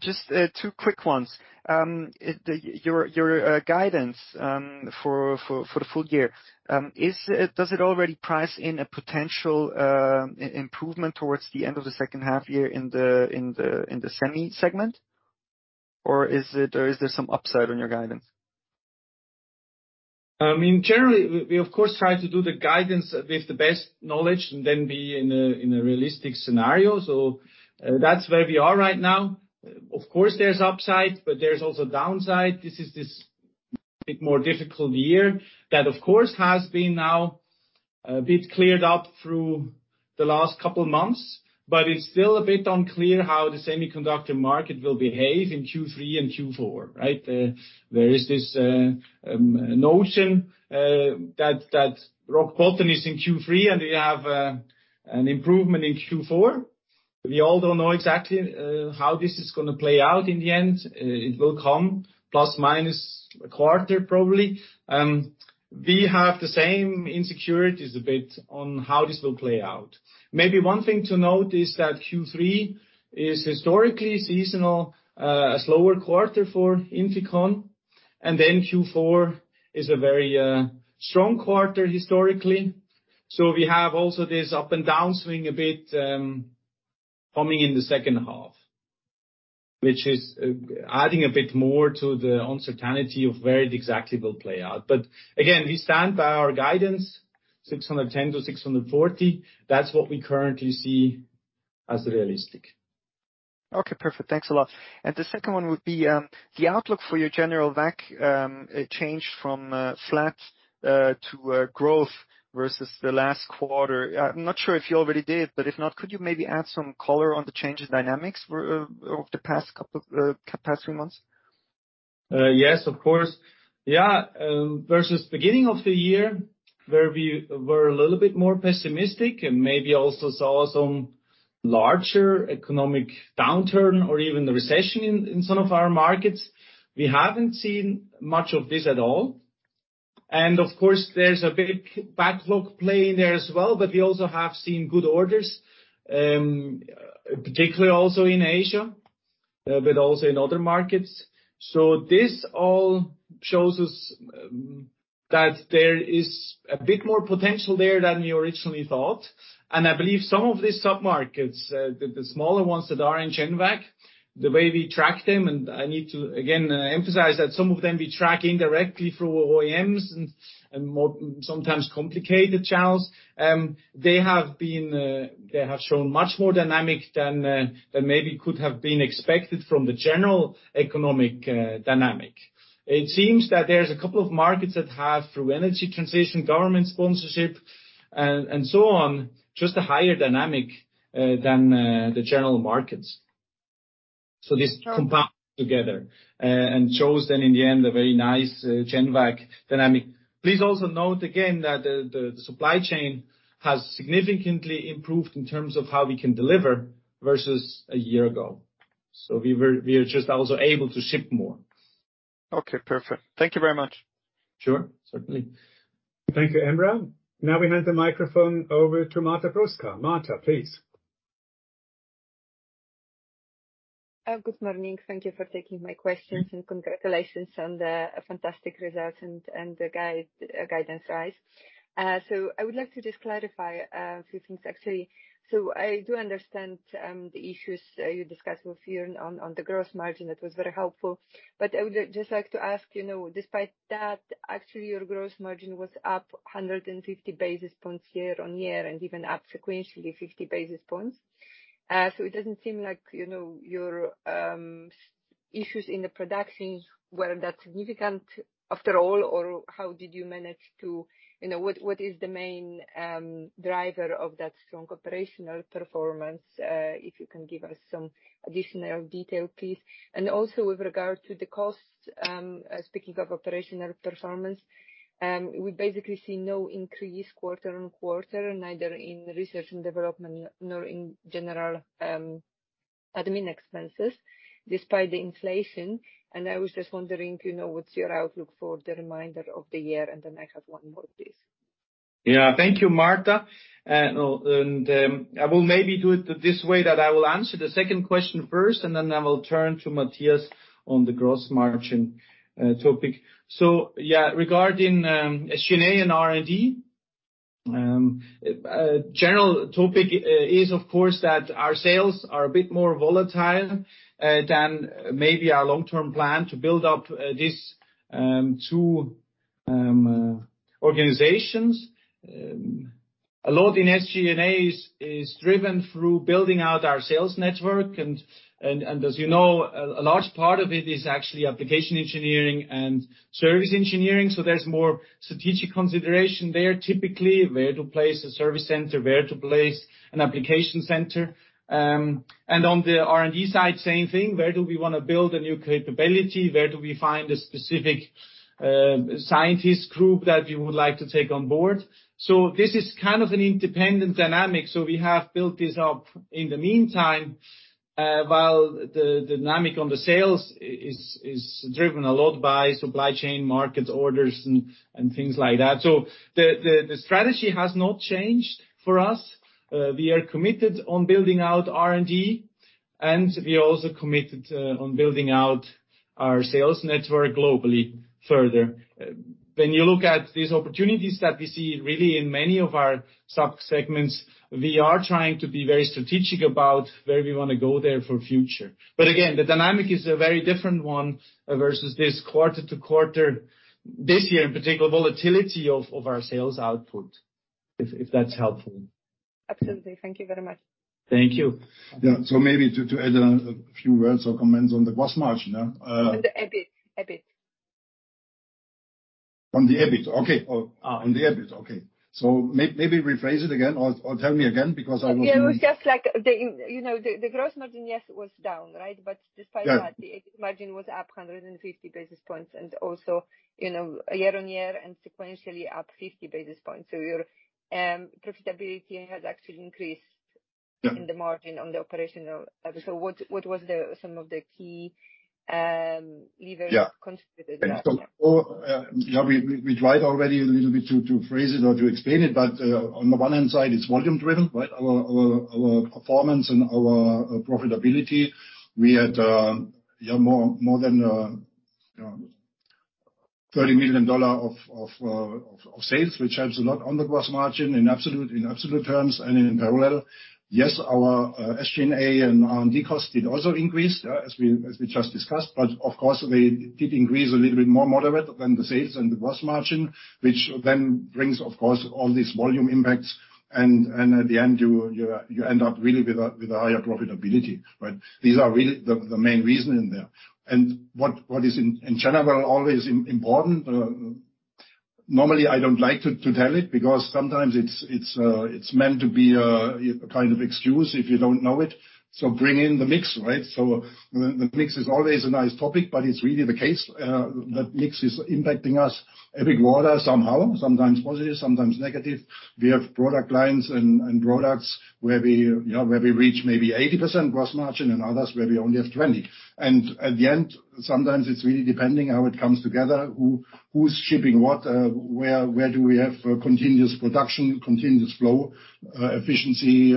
Speaker 6: Just two quick ones. Your guidance for the full year, does it already price in a potential improvement towards the end of H2 in the semi segment, or is there some upside on your guidance?
Speaker 2: I mean, generally, we, of course, try to do the guidance with the best knowledge and then be in a realistic scenario. That's where we are right now. Of course, there's upside, but there's also downside. This is a bit more difficult year. That, of course, has been now a bit cleared up through the last couple of months, but it's still a bit unclear how the semiconductor market will behave in Q3 and Q4, right? There is this notion that rock bottom is in Q3, and we have an improvement in Q4. We all don't know exactly how this is gonna play out in the end. It will come, plus or minus a quarter, probably. We have the same insecurities a bit on how this will play out. Maybe one thing to note is that Q3 is historically seasonal, a slower quarter for INFICON, and then Q4 is a very strong quarter historically. We have also this up and down swing a bit, coming in the second half, which is adding a bit more to the uncertainty of where it exactly will play out. Again, we stand by our guidance, $610 to $640. That's what we currently see as realistic.
Speaker 6: Okay, perfect. Thanks a lot. The second one would be, the outlook for your General Vac, it changed from, flat, to, growth versus the last quarter. I'm not sure if you already did, but if not, could you maybe add some color on the change in dynamics for, over the past couple past few months?
Speaker 2: Yes, of course. Versus beginning of the year, where we were a little bit more pessimistic and maybe also saw some larger economic downturn or even the recession in some of our markets. We haven't seen much of this at all. Of course, there's a big backlog play in there as well. We also have seen good orders, particularly also in Asia, but also in other markets. This all shows us that there is a bit more potential there than we originally thought, and I believe some of these sub-markets, the smaller ones that are in Genvac, the way we track them, and I need to again emphasize that some of them we track indirectly through OEMs and more sometimes complicated channels. They have been, they have shown much more dynamic than maybe could have been expected from the general economic dynamic. It seems that there's a couple of markets that have, through energy transition, government sponsorship, and so on, just a higher dynamic than the general markets. This compounds together and shows then in the end, a very nice Genvac dynamic. Please also note again that the supply chain has significantly improved in terms of how we can deliver versus a year ago. We are just also able to ship more.
Speaker 6: Okay, perfect. Thank you very much.
Speaker 2: Sure. Certainly.
Speaker 1: Thank you, Emrah. Now we hand the microphone over to Marta Bruska. Marta, please.
Speaker 7: Good morning. Thank you for taking my questions, and congratulations on the fantastic result and the guidance rise. I would like to just clarify a few things, actually. I do understand the issues you discussed with Jeroen on the gross margin. That was very helpful. I would just like to ask, you know, despite that, actually your gross margin was up 150 basis points year-over-year, and even up sequentially 50 basis points. It doesn't seem like, you know, your issues in the production were that significant after all, or how did you manage to... You know, what is the main driver of that strong operational performance? If you can give us some additional detail, please. With regard to the costs, speaking of operational performance, we basically see no increase quarter on quarter, neither in research and development nor in general, admin expenses, despite the inflation. I was just wondering, you know, what's your outlook for the remainder of the year? I have one more please.
Speaker 2: Thank you, Marta. I will maybe do it this way, that I will answer the second question first, and then I will turn to Matthias on the gross margin topic. Regarding SG&A and R&D, general topic, is, of course, that our sales are a bit more volatile than maybe our long-term plan to build up this two organizations. A lot in SG&A is driven through building out our sales network, and as you know, a large part of it is actually application engineering and service engineering. There's more strategic consideration there, typically, where to place a service center, where to place an application center. On the R&D side, same thing, where do we wanna build a new capability? Where do we find a specific scientist group that we would like to take on board? This is kind of an independent dynamic, so we have built this up. In the meantime, while the dynamic on the sales is driven a lot by supply chain, market orders and things like that. The strategy has not changed for us. We are committed on building out R&D, and we are also committed on building out our sales network globally further. When you look at these opportunities that we see really in many of our sub-segments, we are trying to be very strategic about where we wanna go there for future. Again, the dynamic is a very different one versus this quarter to quarter, this year in particular, volatility of our sales output, if that's helpful.
Speaker 7: Absolutely. Thank you very much.
Speaker 2: Thank you.
Speaker 3: Yeah. maybe to add a few words or comments on the gross margin.
Speaker 7: The EBIT.
Speaker 3: On the EBIT, okay. Maybe rephrase it again or tell me again, because I was.
Speaker 7: Yeah, it was just like the, you know, the gross margin, yes, was down, right.
Speaker 3: Yeah
Speaker 7: The EBIT margin was up 150 basis points and also, you know, year over year and sequentially up 50 basis points. Your profitability has actually increased.
Speaker 3: Yeah
Speaker 7: In the margin on the operational level. What was the some of the key?
Speaker 3: Yeah...
Speaker 7: Contributed that?
Speaker 3: Yeah, we tried already a little bit to phrase it or to explain it, but on the one hand side, it's volume driven, right? Our performance and our profitability. We had more than $30 million of sales, which helps a lot on the gross margin in absolute terms and in parallel. Yes, our SG&A and R&D costs did also increase as we just discussed, but of course, they did increase a little bit more moderate than the sales and the gross margin, which then brings, of course, all these volume impacts. At the end, you end up really with a higher profitability, right? These are really the main reason in there. What is in general always important, normally, I don't like to tell it, because sometimes it's meant to be a kind of excuse if you don't know it. Bring in the mix, right? The mix is always a nice topic, but it's really the case that mix is impacting us a big order somehow, sometimes positive, sometimes negative. We have product lines and products where we, you know, where we reach maybe 80% gross margin and others where we only have 20%. At the end, sometimes it's really depending how it comes together, who's shipping what, where do we have continuous production, continuous flow, efficiency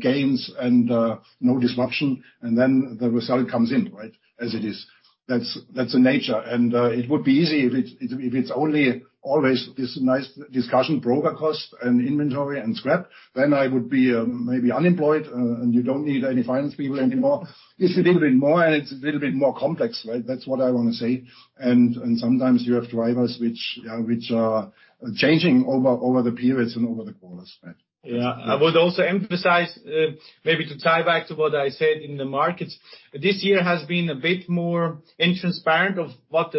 Speaker 3: gains and no disruption, and then the result comes in, right? As it is. That's the nature, and it would be easy if it's only always this nice discussion, broker cost and inventory and scrap, then I would be maybe unemployed, and you don't need any finance people anymore. It's a little bit more, and it's a little bit more complex, right? That's what I want to say. Sometimes you have drivers which are changing over the periods and over the quarters, right?
Speaker 2: Yeah. I would also emphasize, maybe to tie back to what I said in the markets. This year has been a bit more intransparent of what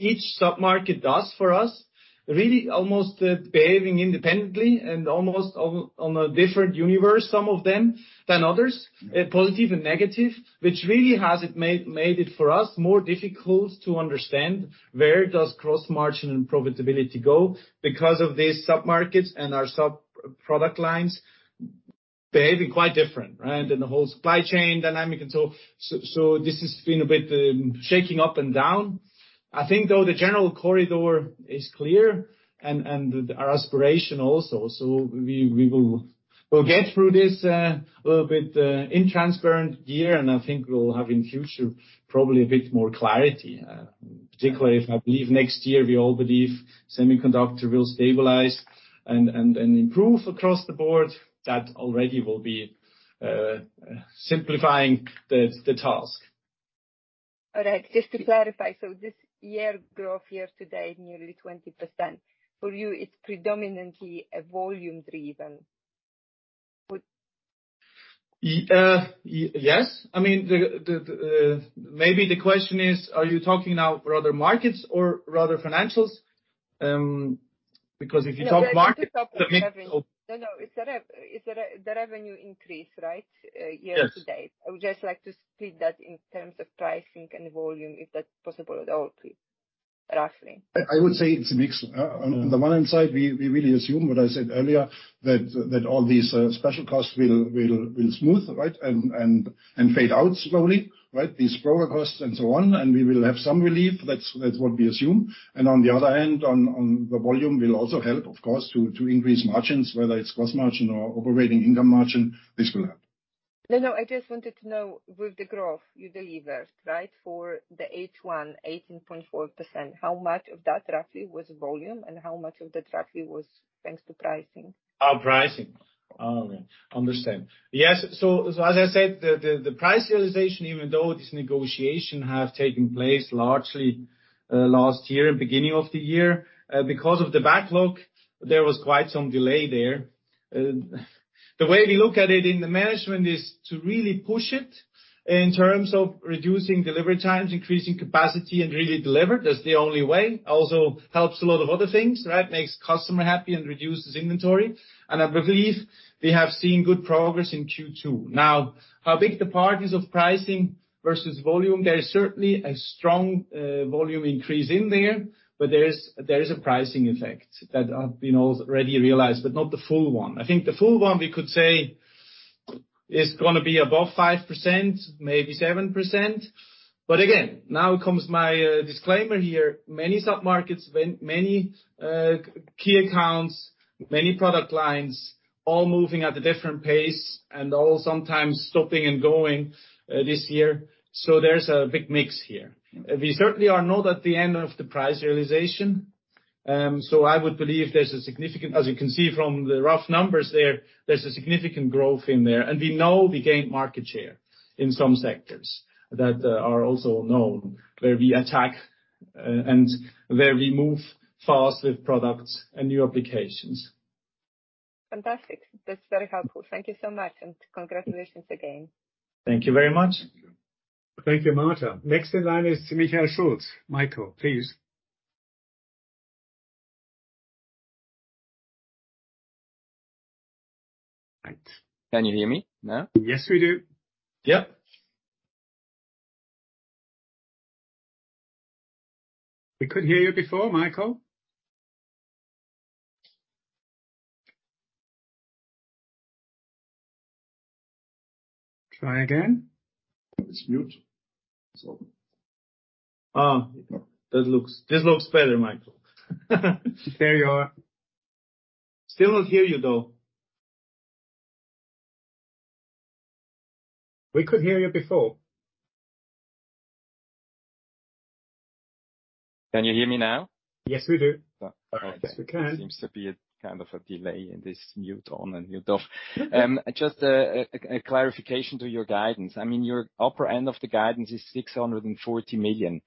Speaker 2: each sub-market does for us, really almost behaving independently and almost on a different universe, some of them, than others, positive and negative, which really made it for us more difficult to understand where does cross margin and profitability go because of these sub-markets and our sub-product lines behaving quite different, right? The whole supply chain dynamic and so... This has been a bit shaking up and down. I think, though, the general corridor is clear and our aspiration also, so we'll get through this little bit intransparent year, and I think we'll have, in future, probably a bit more clarity, particularly if I believe next year, we all believe semiconductor will stabilize and improve across the board. That already will be simplifying the task.
Speaker 7: All right, just to clarify, this year, growth year to date, nearly 20%. For you, it's predominantly a volume driven?
Speaker 2: yes. I mean, the... Maybe the question is, are you talking now rather markets or rather financials? because if you talk market...
Speaker 7: No, no, it's the revenue increase, right, year to date?
Speaker 2: Yes.
Speaker 7: I would just like to split that in terms of pricing and volume, if that's possible at all, please, roughly.
Speaker 3: I would say it's a mix. On the one hand side, we really assume what I said earlier, that all these special costs will smooth, right? Fade out slowly, right? These broker costs and so on, and we will have some relief. That's what we assume. On the other hand, the volume will also help, of course, to increase margins, whether it's gross margin or operating income margin, this will help.
Speaker 7: No, no, I just wanted to know, with the growth you delivered, right, for the H1, 18.4%, how much of that, roughly, was volume, and how much of that, roughly, was thanks to pricing?
Speaker 2: Oh, pricing. Oh, okay, understand. Yes, as I said, the price realization, even though this negotiation have taken place largely last year, beginning of the year, because of the backlog, there was quite some delay there. The way we look at it in the management is to really push it in terms of reducing delivery times, increasing capacity, and really deliver. That's the only way. Also helps a lot of other things, right? Makes customer happy and reduces inventory, and I believe we have seen good progress in Q2. How big the part is of pricing versus volume? There is certainly a strong volume increase in there, but there is a pricing effect that been already realized, but not the full one. I think the full one, we could say, is gonna be above 5%, maybe 7%. Again, now comes my disclaimer here. Many sub-markets, many key accounts, many product lines, all moving at a different pace and all sometimes stopping and going this year. There's a big mix here. We certainly are not at the end of the price realization, so I would believe there's a significant As you can see from the rough numbers there's a significant growth in there, and we know we gained market share in some sectors that are also known, where we attack and where we move fast with products and new applications.
Speaker 7: Fantastic. That's very helpful. Thank you so much, and congratulations again.
Speaker 2: Thank you very much.
Speaker 1: Thank you, Marta. Next in line is Michael Schütz. Michael, please.
Speaker 8: Right. Can you hear me now?
Speaker 3: Yes, we do. Yep. We could hear you before, Michael. Try again.
Speaker 2: It's mute, so...
Speaker 3: This looks better, Michael. There you are. Still don't hear you, though. We could hear you before.
Speaker 8: Can you hear me now?
Speaker 3: Yes, we do.
Speaker 8: Okay.
Speaker 3: Yes, we can.
Speaker 8: There seems to be a kind of a delay in this mute on and mute off. Just a clarification to your guidance. I mean, your upper end of the guidance is $640 million.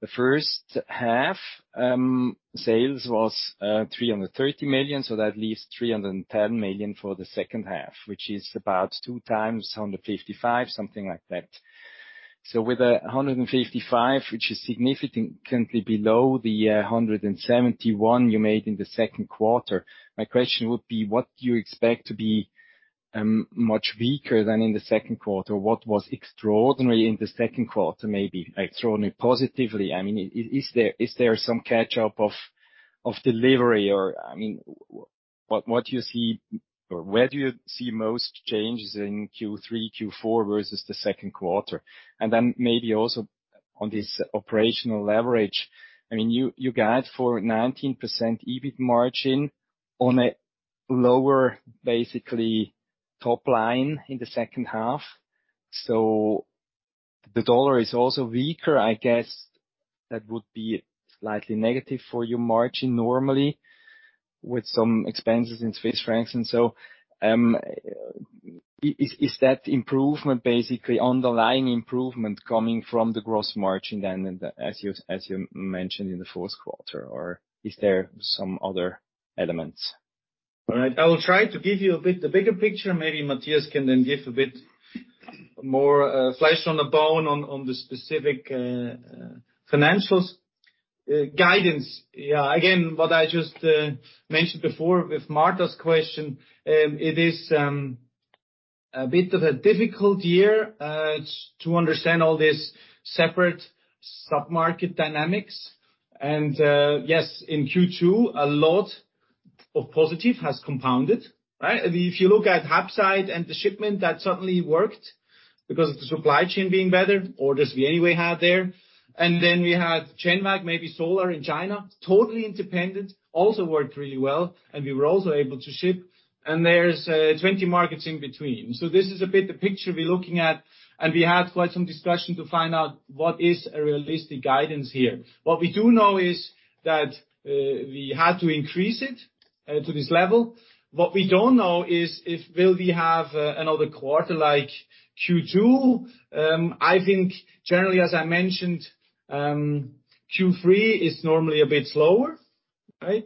Speaker 8: The first half sales was $330 million, so that leaves $310 million for the second half, which is about two times 155, something like that. With $155, which is significantly below the $171 you made in the Q2, my question would be: What do you expect to be much weaker than in the Q2? What was extraordinary in the second quarter, maybe extraordinarily positively? I mean, is there some catch-up of delivery or, I mean, what do you see or where do you see most changes in Q3, Q4 versus Q2? Maybe also on this operational leverage. I mean, you guide for 19% EBIT margin on a lower, basically, top line in the second half. The dollar is also weaker. I guess that would be slightly negative for your margin normally, with some expenses in Swiss francs. Is that improvement basically underlying improvement coming from the gross margin then, as you mentioned in the fourth quarter, or is there some other elements?
Speaker 2: All right. I will try to give you a bit the bigger picture. Maybe Matthias can then give a bit more flesh on the bone on the specific financials. Guidance, yeah, again, what I just mentioned before with Marta's question. It is a bit of a difficult year to understand all this separate sub-market dynamics. Yes, in Q2, a lot of positive has compounded, right? If you look at Hapside and the shipment, that certainly worked because of the supply chain being better or does we anyway have there. Then we had Chainmag, maybe solar in China, totally independent, also worked really well, and we were also able to ship. There's 20 markets in between. This is a bit the picture we're looking at, and we had quite some discussion to find out what is a realistic guidance here. What we do know is that we had to increase it to this level. What we don't know is if will we have another quarter like Q2. I think generally, as I mentioned, Q3 is normally a bit slower, right?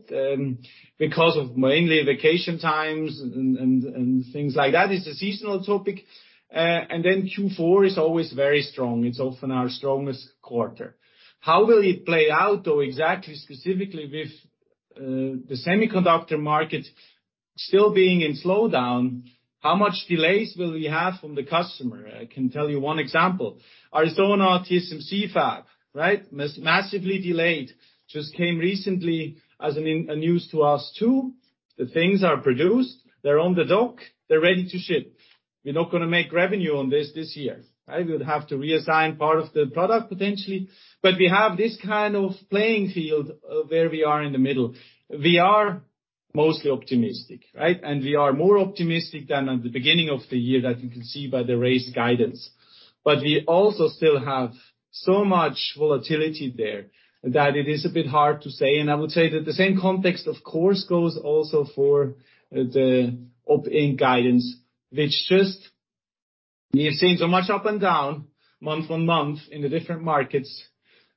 Speaker 2: Because of mainly vacation times and things like that. It's a seasonal topic. Q4 is always very strong. It's often our strongest quarter. How will it play out, though, exactly, specifically with the semiconductor market still being in slowdown? How much delays will we have from the customer? I can tell you one example. Arizona TSMC fab, right? Massively delayed. Just came recently as a news to us, too. The things are produced, they're on the dock, they're ready to ship. We're not gonna make revenue on this this year, right? We'll have to reassign part of the product, potentially, but we have this kind of playing field where we are in the middle. We are mostly optimistic, right? We are more optimistic than at the beginning of the year, that you can see by the raised guidance. We also still have so much volatility there that it is a bit hard to say. I would say that the same context, of course, goes also for the operating guidance. We have seen so much up and down, month-on-month, in the different markets.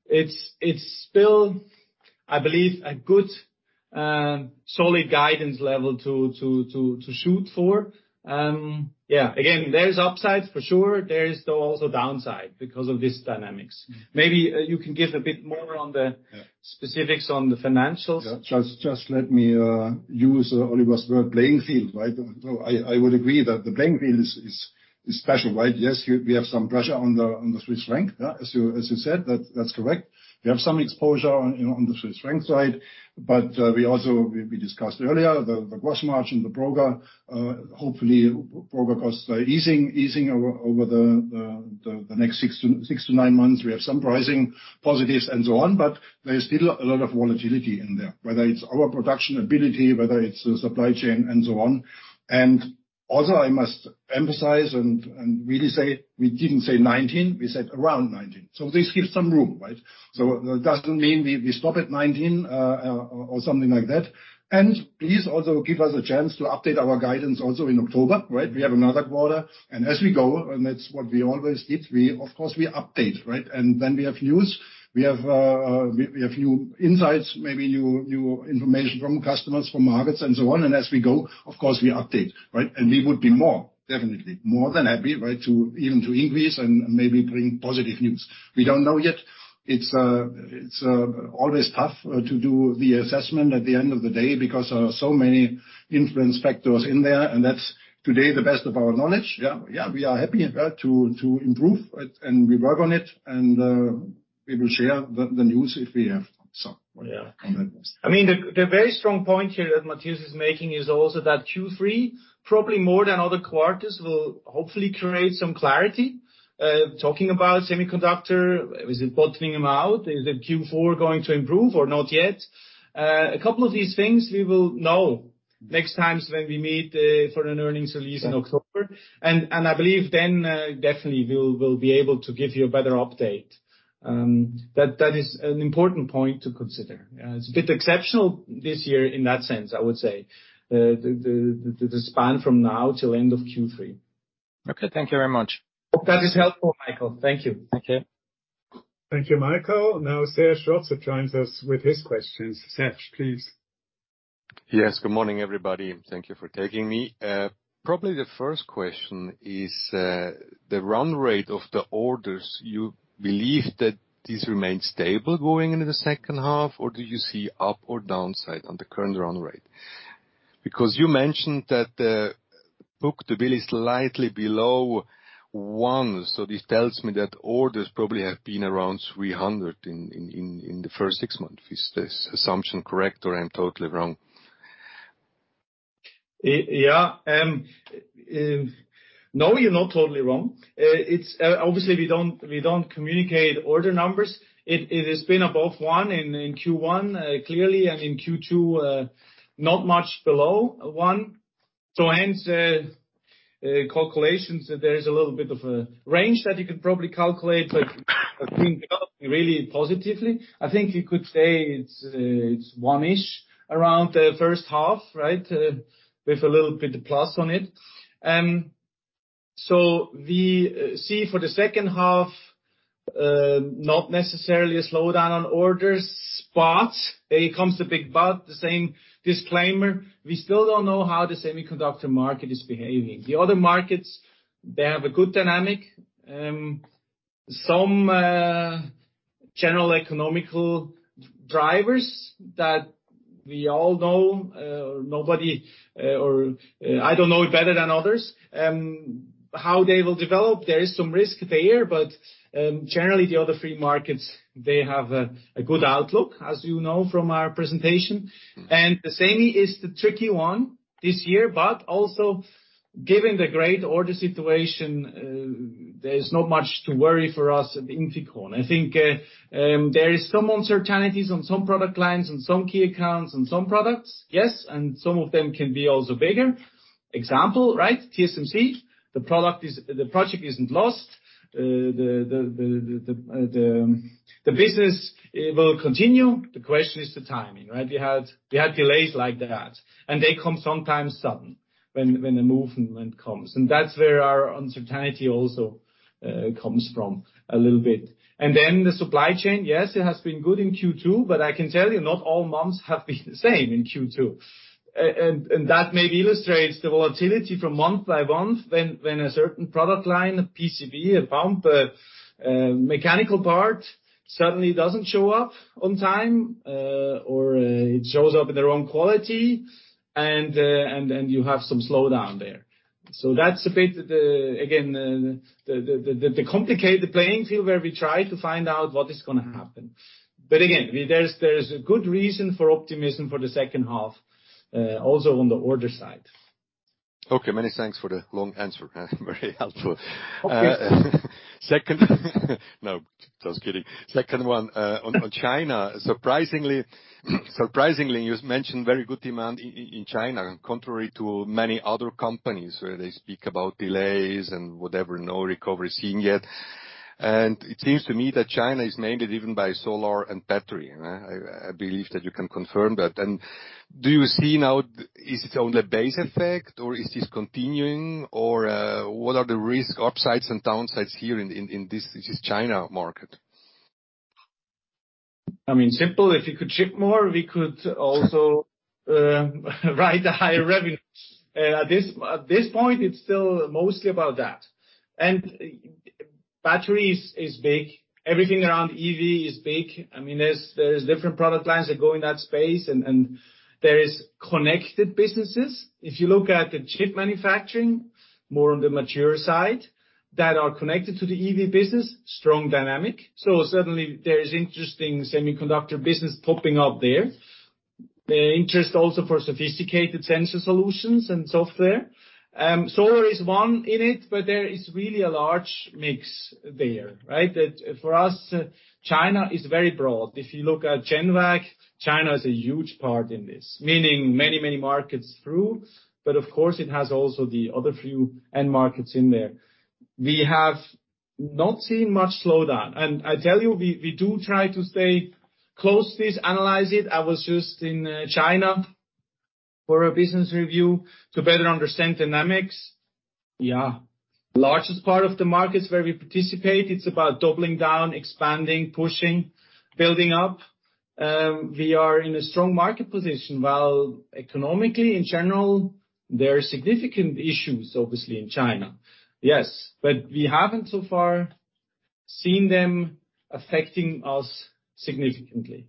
Speaker 2: It's still, I believe, a good solid guidance level to shoot for. Yeah. Again, there is upsides for sure. There is, though, also downside because of this dynamics. Maybe, you can give a bit more on the-
Speaker 3: Yeah.
Speaker 2: Specifics on the financials
Speaker 3: Yeah. Just let me use Oliver's word, playing field, right? I would agree that the playing field is special, right? Yes, we have some pressure on the Swiss franc, as you said, that's correct. We have some exposure on the Swiss franc side, we also discussed earlier, the gross margin, the program. Hopefully program costs are easing over the next six to nine months. We have some pricing positives and so on, there is still a lot of volatility in there, whether it's our production ability, whether it's the supply chain and so on. Also, I must emphasize and really say, we didn't say 19, we said around 19. This gives some room, right? It doesn't mean we stop at 19 or something like that. Please also give us a chance to update our guidance also in October, right? We have another quarter, and as we go, and that's what we always did, we of course update, right? When we have news, we have new insights, maybe new information from customers, from markets and so on. As we go, of course, we update, right? We would be more, definitely, more than happy, right, to even to increase and maybe bring positive news. We don't know yet. It's always tough to do the assessment at the end of the day because there are so many influence factors in there, and that's today the best of our knowledge. Yeah, we are happy to improve, and we work on it, and we will share the news if we have some.
Speaker 2: Yeah. I mean, the very strong point here that Matthias is making is also that Q3, probably more than other quarters, will hopefully create some clarity. Talking about semiconductor, is it bottoming them out? Is the Q4 going to improve or not yet? A couple of these things we will know next time when we meet for an earnings release in October. I believe then definitely we will, we'll be able to give you a better update. That is an important point to consider. It's a bit exceptional this year in that sense, I would say, the span from now till end of Q3.
Speaker 8: Okay. Thank you very much.
Speaker 2: Hope that is helpful, Michael. Thank you.
Speaker 8: Thank you.
Speaker 1: Thank you, Michael. Seth Schwartz joins us with his questions. Seth, please.
Speaker 9: Yes, good morning, everybody. Thank you for taking me. Probably the first question is the run rate of the orders? You believe that this remains stable going into the second half, or do you see up or downside on the current run rate? You mentioned that the book to bill is slightly below one. This tells me that orders probably have been around 300 in the first six months. Is this assumption correct, or I'm totally wrong?
Speaker 2: No, you're not totally wrong. It's, obviously, we don't, we don't communicate order numbers. It has been above one in Q1, clearly, and in Q2, not much below one. Hence, calculations, there is a little bit of a range that you could probably calculate, but things are developing really positively. I think you could say it's one-ish around the first half, right? With a little bit of plus on it. We see for the second half, not necessarily a slowdown on orders, but here comes the big but, the same disclaimer: we still don't know how the semiconductor market is behaving. The other markets, they have a good dynamic. Some general economical drivers that we all know, nobody or I don't know it better than others, how they will develop. There is some risk there, but generally, the other three markets, they have a good outlook, as you know from our presentation. The semi is the tricky one this year, but also, given the great order situation, there is not much to worry for us at INFICON. I think there is some uncertainties on some product lines and some key accounts and some products, yes, and some of them can be also bigger. Example, right, TSMC. The project isn't lost. The business, it will continue. The question is the timing, right? We had delays like that, and they come sometimes sudden when the movement comes, and that's where our uncertainty also comes from a little bit. The supply chain, yes, it has been good in Q2, but I can tell you, not all months have been the same in Q2. And that maybe illustrates the volatility from month by month, when a certain product line, a PCB, a pump, a mechanical part suddenly doesn't show up on time, or it shows up in the wrong quality, and you have some slowdown there. That's a bit again, the complicated playing field where we try to find out what is gonna happen. Again, there's a good reason for optimism for the second half, also on the order side.
Speaker 9: Okay, many thanks for the long answer. Very helpful.
Speaker 2: Of course.
Speaker 9: Second. No, just kidding. Second one, on China, surprisingly, you've mentioned very good demand in China, and contrary to many other companies, where they speak about delays and whatever, no recovery seen yet. It seems to me that China is mainly driven by solar and battery, right? I believe that you can confirm that. Do you see now, is it on the base effect, or is this continuing, or, what are the risk, upsides and downsides here in this China market?
Speaker 2: I mean, simple, if you could ship more, we could also write a higher revenue. At this point, it's still mostly about that. Batteries is big. Everything around EV is big. I mean, there's different product lines that go in that space, and there is connected businesses. If you look at the chip manufacturing, more on the mature side, that are connected to the EV business, strong dynamic. Certainly there is interesting semiconductor business popping up there. Interest also for sophisticated sensor solutions and software. Solar is one in it, but there is really a large mix there, right? That for us, China is very broad. If you look at Genvac, China is a huge part in this, meaning many markets through, but of course, it has also the other few end markets in there. I tell you, we do try to stay close to this, analyze it. I was just in China for a business review to better understand dynamics. Largest part of the markets where we participate, it's about doubling down, expanding, pushing, building up. We are in a strong market position while economically, in general, there are significant issues, obviously, in China. We haven't so far seen them affecting us significantly.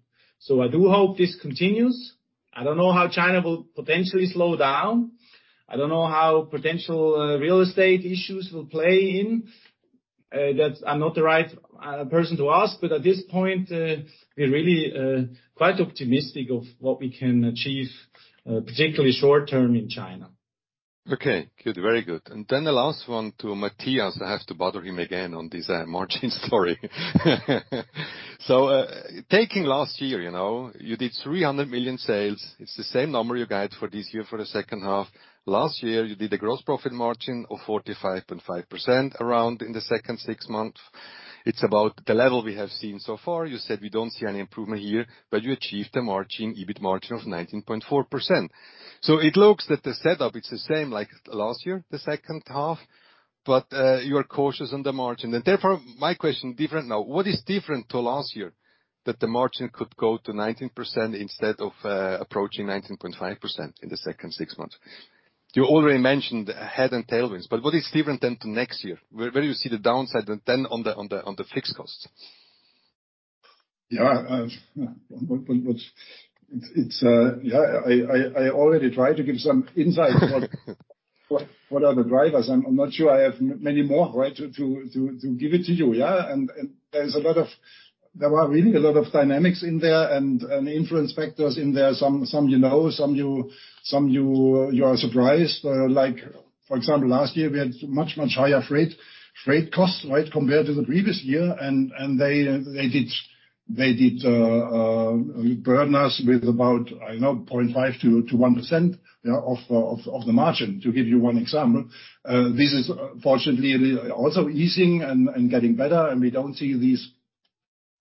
Speaker 2: I do hope this continues. I don't know how China will potentially slow down. I don't know how potential real estate issues will play in. That's I'm not the right person to ask. At this point, we're really quite optimistic of what we can achieve, particularly short term in China.
Speaker 9: Okay, good. Very good. The last one to Matthias. I have to bother him again on this margin story. Taking last year, you know, you did $300 million sales. It's the same number you guide for this year for the second half. Last year, you did a gross profit margin of 45.5% around in the second sixth months. It's about the level we have seen so far. You said we don't see any improvement here, but you achieved a margin, EBIT margin of 19.4%. It looks that the setup is the same like last year, the second half, but you are cautious on the margin. Therefore, my question different now, what is different to last year that the margin could go to 19% instead of approaching 19.5% in the second six months? You already mentioned head and tailwinds, what is different then to next year, where do you see the downside and then on the fixed costs?
Speaker 3: Yeah, I already tried to give some insight about what are the drivers. I'm not sure I have many more, right, to give it to you? There are really a lot of dynamics in there and influence factors in there. Some you know, some you are surprised. Like for example, last year, we had much higher freight costs, right? Compared to the previous year, they did burden us with about, I don't know, 0.5% to 1%, yeah, of the margin, to give you 1 example. This is fortunately also easing and getting better, we don't see these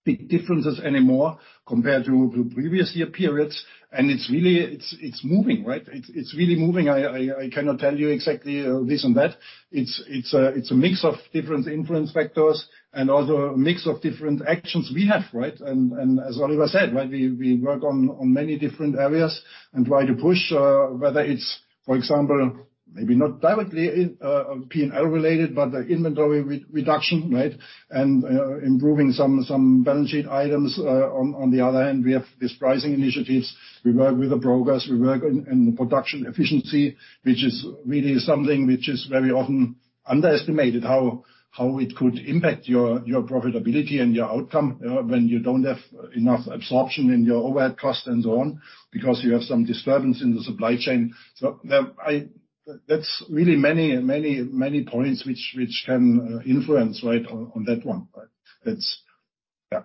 Speaker 3: big differences anymore compared to the previous year periods, it's really moving, right? It's really moving. I cannot tell you exactly this and that. It's a mix of different influence factors and also a mix of different actions we have, right? As Oliver said, right, we work on many different areas and try to push, whether it's, for example, maybe not directly P&L related, but the inventory re-reduction, right? Improving some balance sheet items. On the other hand, we have these pricing initiatives. We work with the brokers, we work in the production efficiency, which is really something which is very often underestimated, how it could impact your profitability and your outcome, when you don't have enough absorption in your overhead cost and so on, because you have some disturbance in the supply chain. That's really many points which can influence, right, on that one, right? It's, yeah.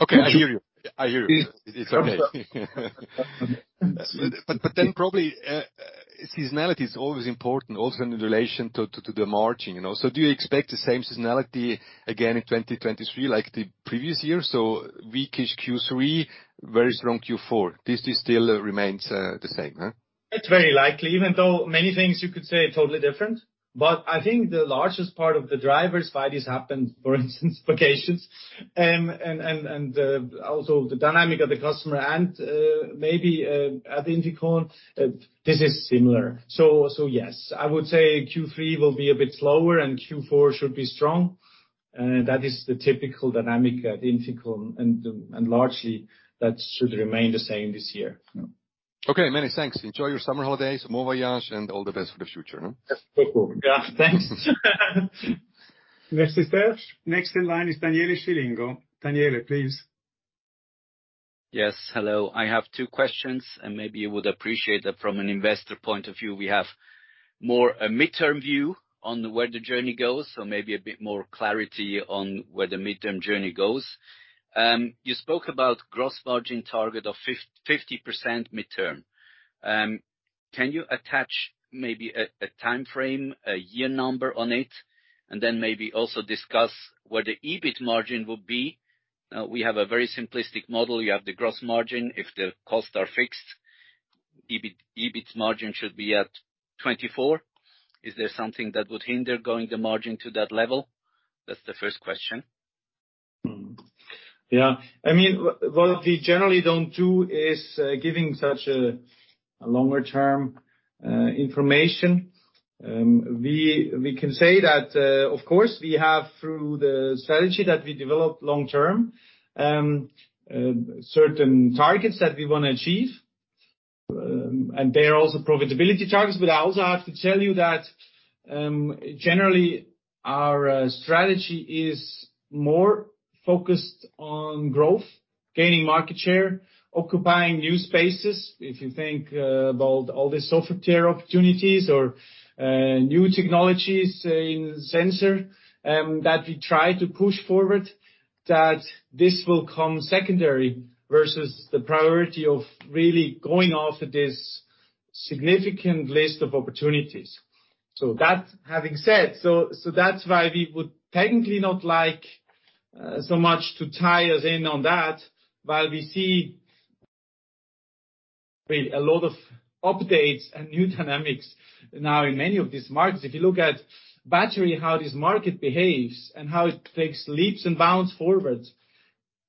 Speaker 9: Okay, I hear you. I hear you.
Speaker 3: It's okay.
Speaker 9: Probably, seasonality is always important, also in relation to the margin, you know. Do you expect the same seasonality again in 2023, like the previous year? Weak-ish Q3, very strong Q4. This still remains the same, huh?
Speaker 2: It's very likely, even though many things you could say are totally different, I think the largest part of the drivers why this happened, for instance, vacations, and also the dynamic of the customer and maybe at INFICON, this is similar. Yes, I would say Q3 will be a bit slower, Q4 should be strong. That is the typical dynamic at INFICON, and largely, that should remain the same this year.
Speaker 9: Okay, many thanks. Enjoy your summer holidays, bon voyage, and all the best for the future, huh?
Speaker 2: Yes. For sure.
Speaker 3: Yeah. Thanks.
Speaker 1: Next is Serge. Next in line is Daniele Scilligo. Daniele, please.
Speaker 10: Yes, hello. I have two questions, and maybe you would appreciate that from an investor point of view, we have more a midterm view on where the journey goes, so maybe a bit more clarity on where the midterm journey goes. You spoke about gross margin target of 50% midterm. Can you attach maybe a timeframe, a year number on it, and then maybe also discuss where the EBIT margin will be? We have a very simplistic model. You have the gross margin. If the costs are fixed, EBIT margin should be at 24%. Is there something that would hinder going the margin to that level? That's the first question.
Speaker 2: I mean, what we generally don't do is giving such a longer term information. We can say that, of course, we have, through the strategy that we developed long term, certain targets that we wanna achieve, and they are also profitability targets. I also have to tell you that, generally, our strategy is more focused on growth, gaining market share, occupying new spaces. If you think about all the software opportunities or new technologies in sensor, that we try to push forward, that this will come secondary versus the priority of really going after this significant list of opportunities. That having said, that's why we would technically not like so much to tie us in on that, while we see a lot of updates and new dynamics now in many of these markets. If you look at battery, how this market behaves and how it takes leaps and bounds forward,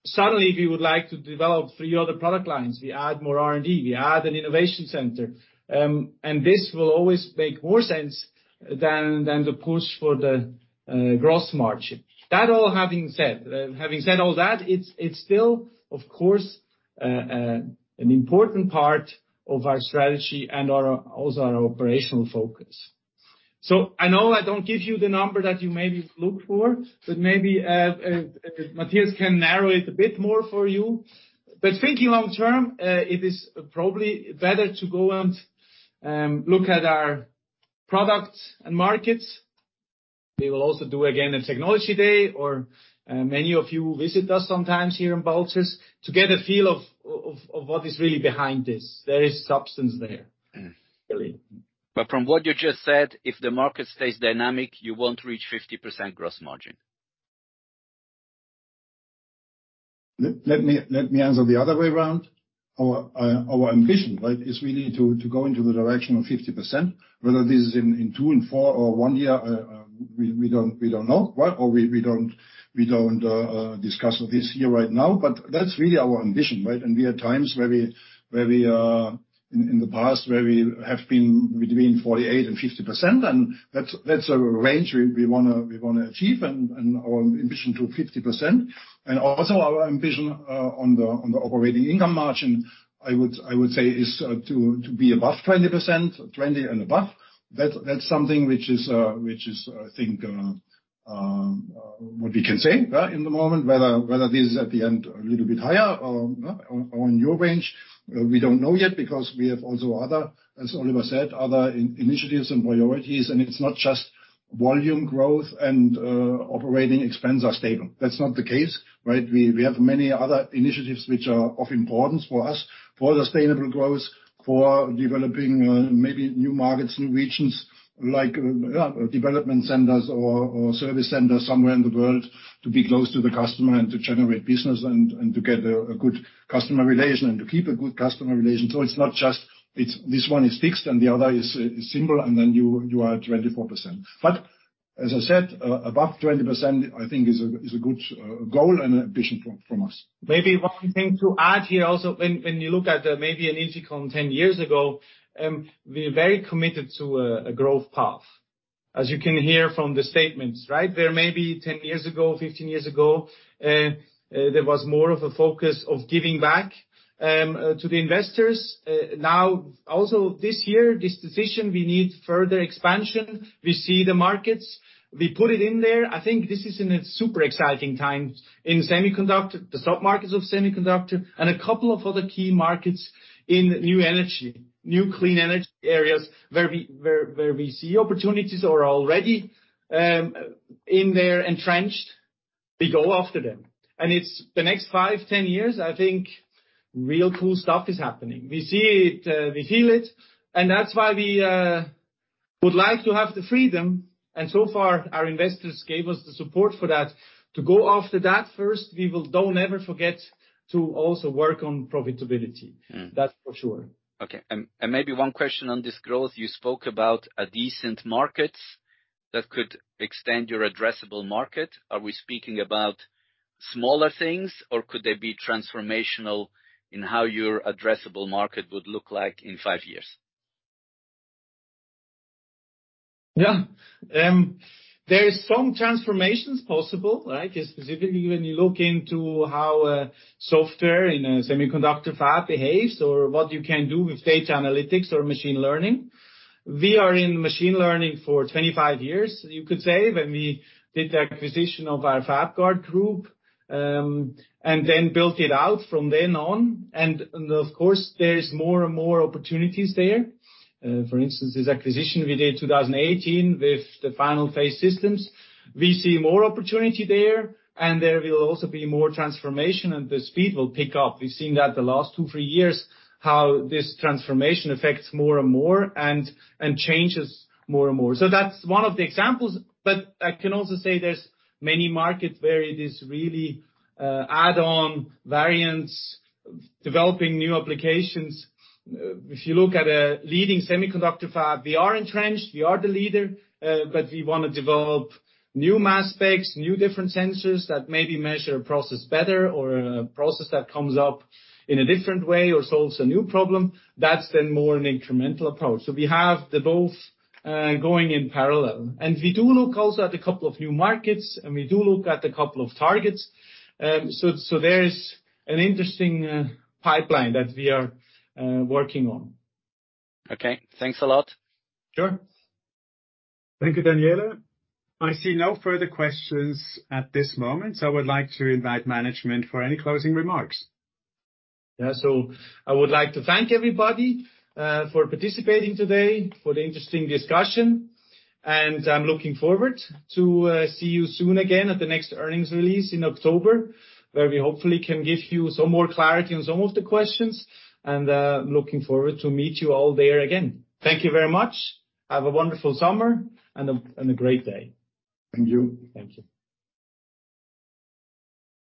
Speaker 2: suddenly, we would like to develop three other product lines. We add more R&D, we add an innovation center, this will always make more sense than the push for the gross margin. Having said all that, it's still, of course, an important part of our strategy and our, also our operational focus. I know I don't give you the number that you maybe look for, but maybe Matthias can narrow it a bit more for you. Thinking long term, it is probably better to go and look at our products and markets. We will also do, again, a technology day, or, many of you visit us sometimes here in Balzers, to get a feel of what is really behind this. There is substance there, really.
Speaker 10: From what you just said, if the market stays dynamic, you won't reach 50% gross margin?
Speaker 3: Let me answer the other way around. Our ambition, right, is really to go into the direction of 50%, whether this is in two and four or one year, we don't know, right? Or we don't discuss this here right now, but that's really our ambition, right? And we had times where we have been between 48% and 50%, and that's a range we wanna achieve, and our ambition to 50%. And also our ambition on the operating income margin, I would say, is to be above 20%, 20 and above. That's something which is, I think, what we can say in the moment. Whether this is at the end a little bit higher or on your range, we don't know yet, because we have also other, as Oliver said, other initiatives and priorities. It's not just volume growth and operating expenses are stable. That's not the case, right? We have many other initiatives which are of importance for us, for sustainable growth, for developing maybe new markets and regions, like development centers or service centers somewhere in the world, to be close to the customer and to generate business and to get a good customer relation and to keep a good customer relation. It's not just, this one is fixed and the other is simple, and then you are at 24%. As I said, above 20%, I think is a good goal and ambition from us.
Speaker 2: Maybe one thing to add here also, when you look at, maybe an INFICON 10 years ago, we're very committed to a growth path. As you can hear from the statements, right? Where maybe 10 years ago, 15 years ago, there was more of a focus of giving back to the investors. Now, also, this year, this decision, we need further expansion. We see the markets. We put it in there. I think this is a super exciting time in semiconductor, the sub-markets of semiconductor, and a couple of other key markets in new energy, new clean energy areas, where we see opportunities are already in there, entrenched. We go after them. It's the next five, 10 years, I think, real cool stuff is happening. We see it, we feel it, and that's why we would like to have the freedom, and so far, our investors gave us the support for that, to go after that first. Don't ever forget to also work on profitability.
Speaker 3: Mm.
Speaker 2: That's for sure.
Speaker 10: Okay, and maybe one question on this growth. You spoke about a decent market that could extend your addressable market. Are we speaking about smaller things, or could they be transformational in how your addressable market would look like in five years?
Speaker 2: Yeah. There is some transformations possible, right? Specifically when you look into how software in a semiconductor fab behaves or what you can do with data analytics or machine learning. We are in machine learning for 25 years, you could say, when we did the acquisition of our FabGuard group and then built it out from then on. Of course, there is more and more opportunities there. For instance, this acquisition we did in 2018 with the Final Phase Systems. We see more opportunity there, and there will also be more transformation, and the speed will pick up. We've seen that the last two, three years, how this transformation affects more and more and changes more and more. That's one of the examples, but I can also say there's many markets where it is really add-on variants, developing new applications. If you look at a leading semiconductor fab, we are entrenched, we are the leader, but we want to develop new mass specs, new different sensors, that maybe measure a process better or a process that comes up in a different way or solves a new problem. That's then more an incremental approach. So we have the both going in parallel. We do look also at a couple of new markets, and we do look at a couple of targets. So there is an interesting pipeline that we are working on.
Speaker 10: Okay. Thanks a lot.
Speaker 2: Sure.
Speaker 3: Thank you, Daniele. I see no further questions at this moment, so I would like to invite management for any closing remarks.
Speaker 2: I would like to thank everybody for participating today, for the interesting discussion, and I'm looking forward to see you soon again at the next earnings release in October, where we hopefully can give you some more clarity on some of the questions. Looking forward to meet you all there again. Thank you very much. Have a wonderful summer and a great day.
Speaker 3: Thank you.
Speaker 2: Thank you.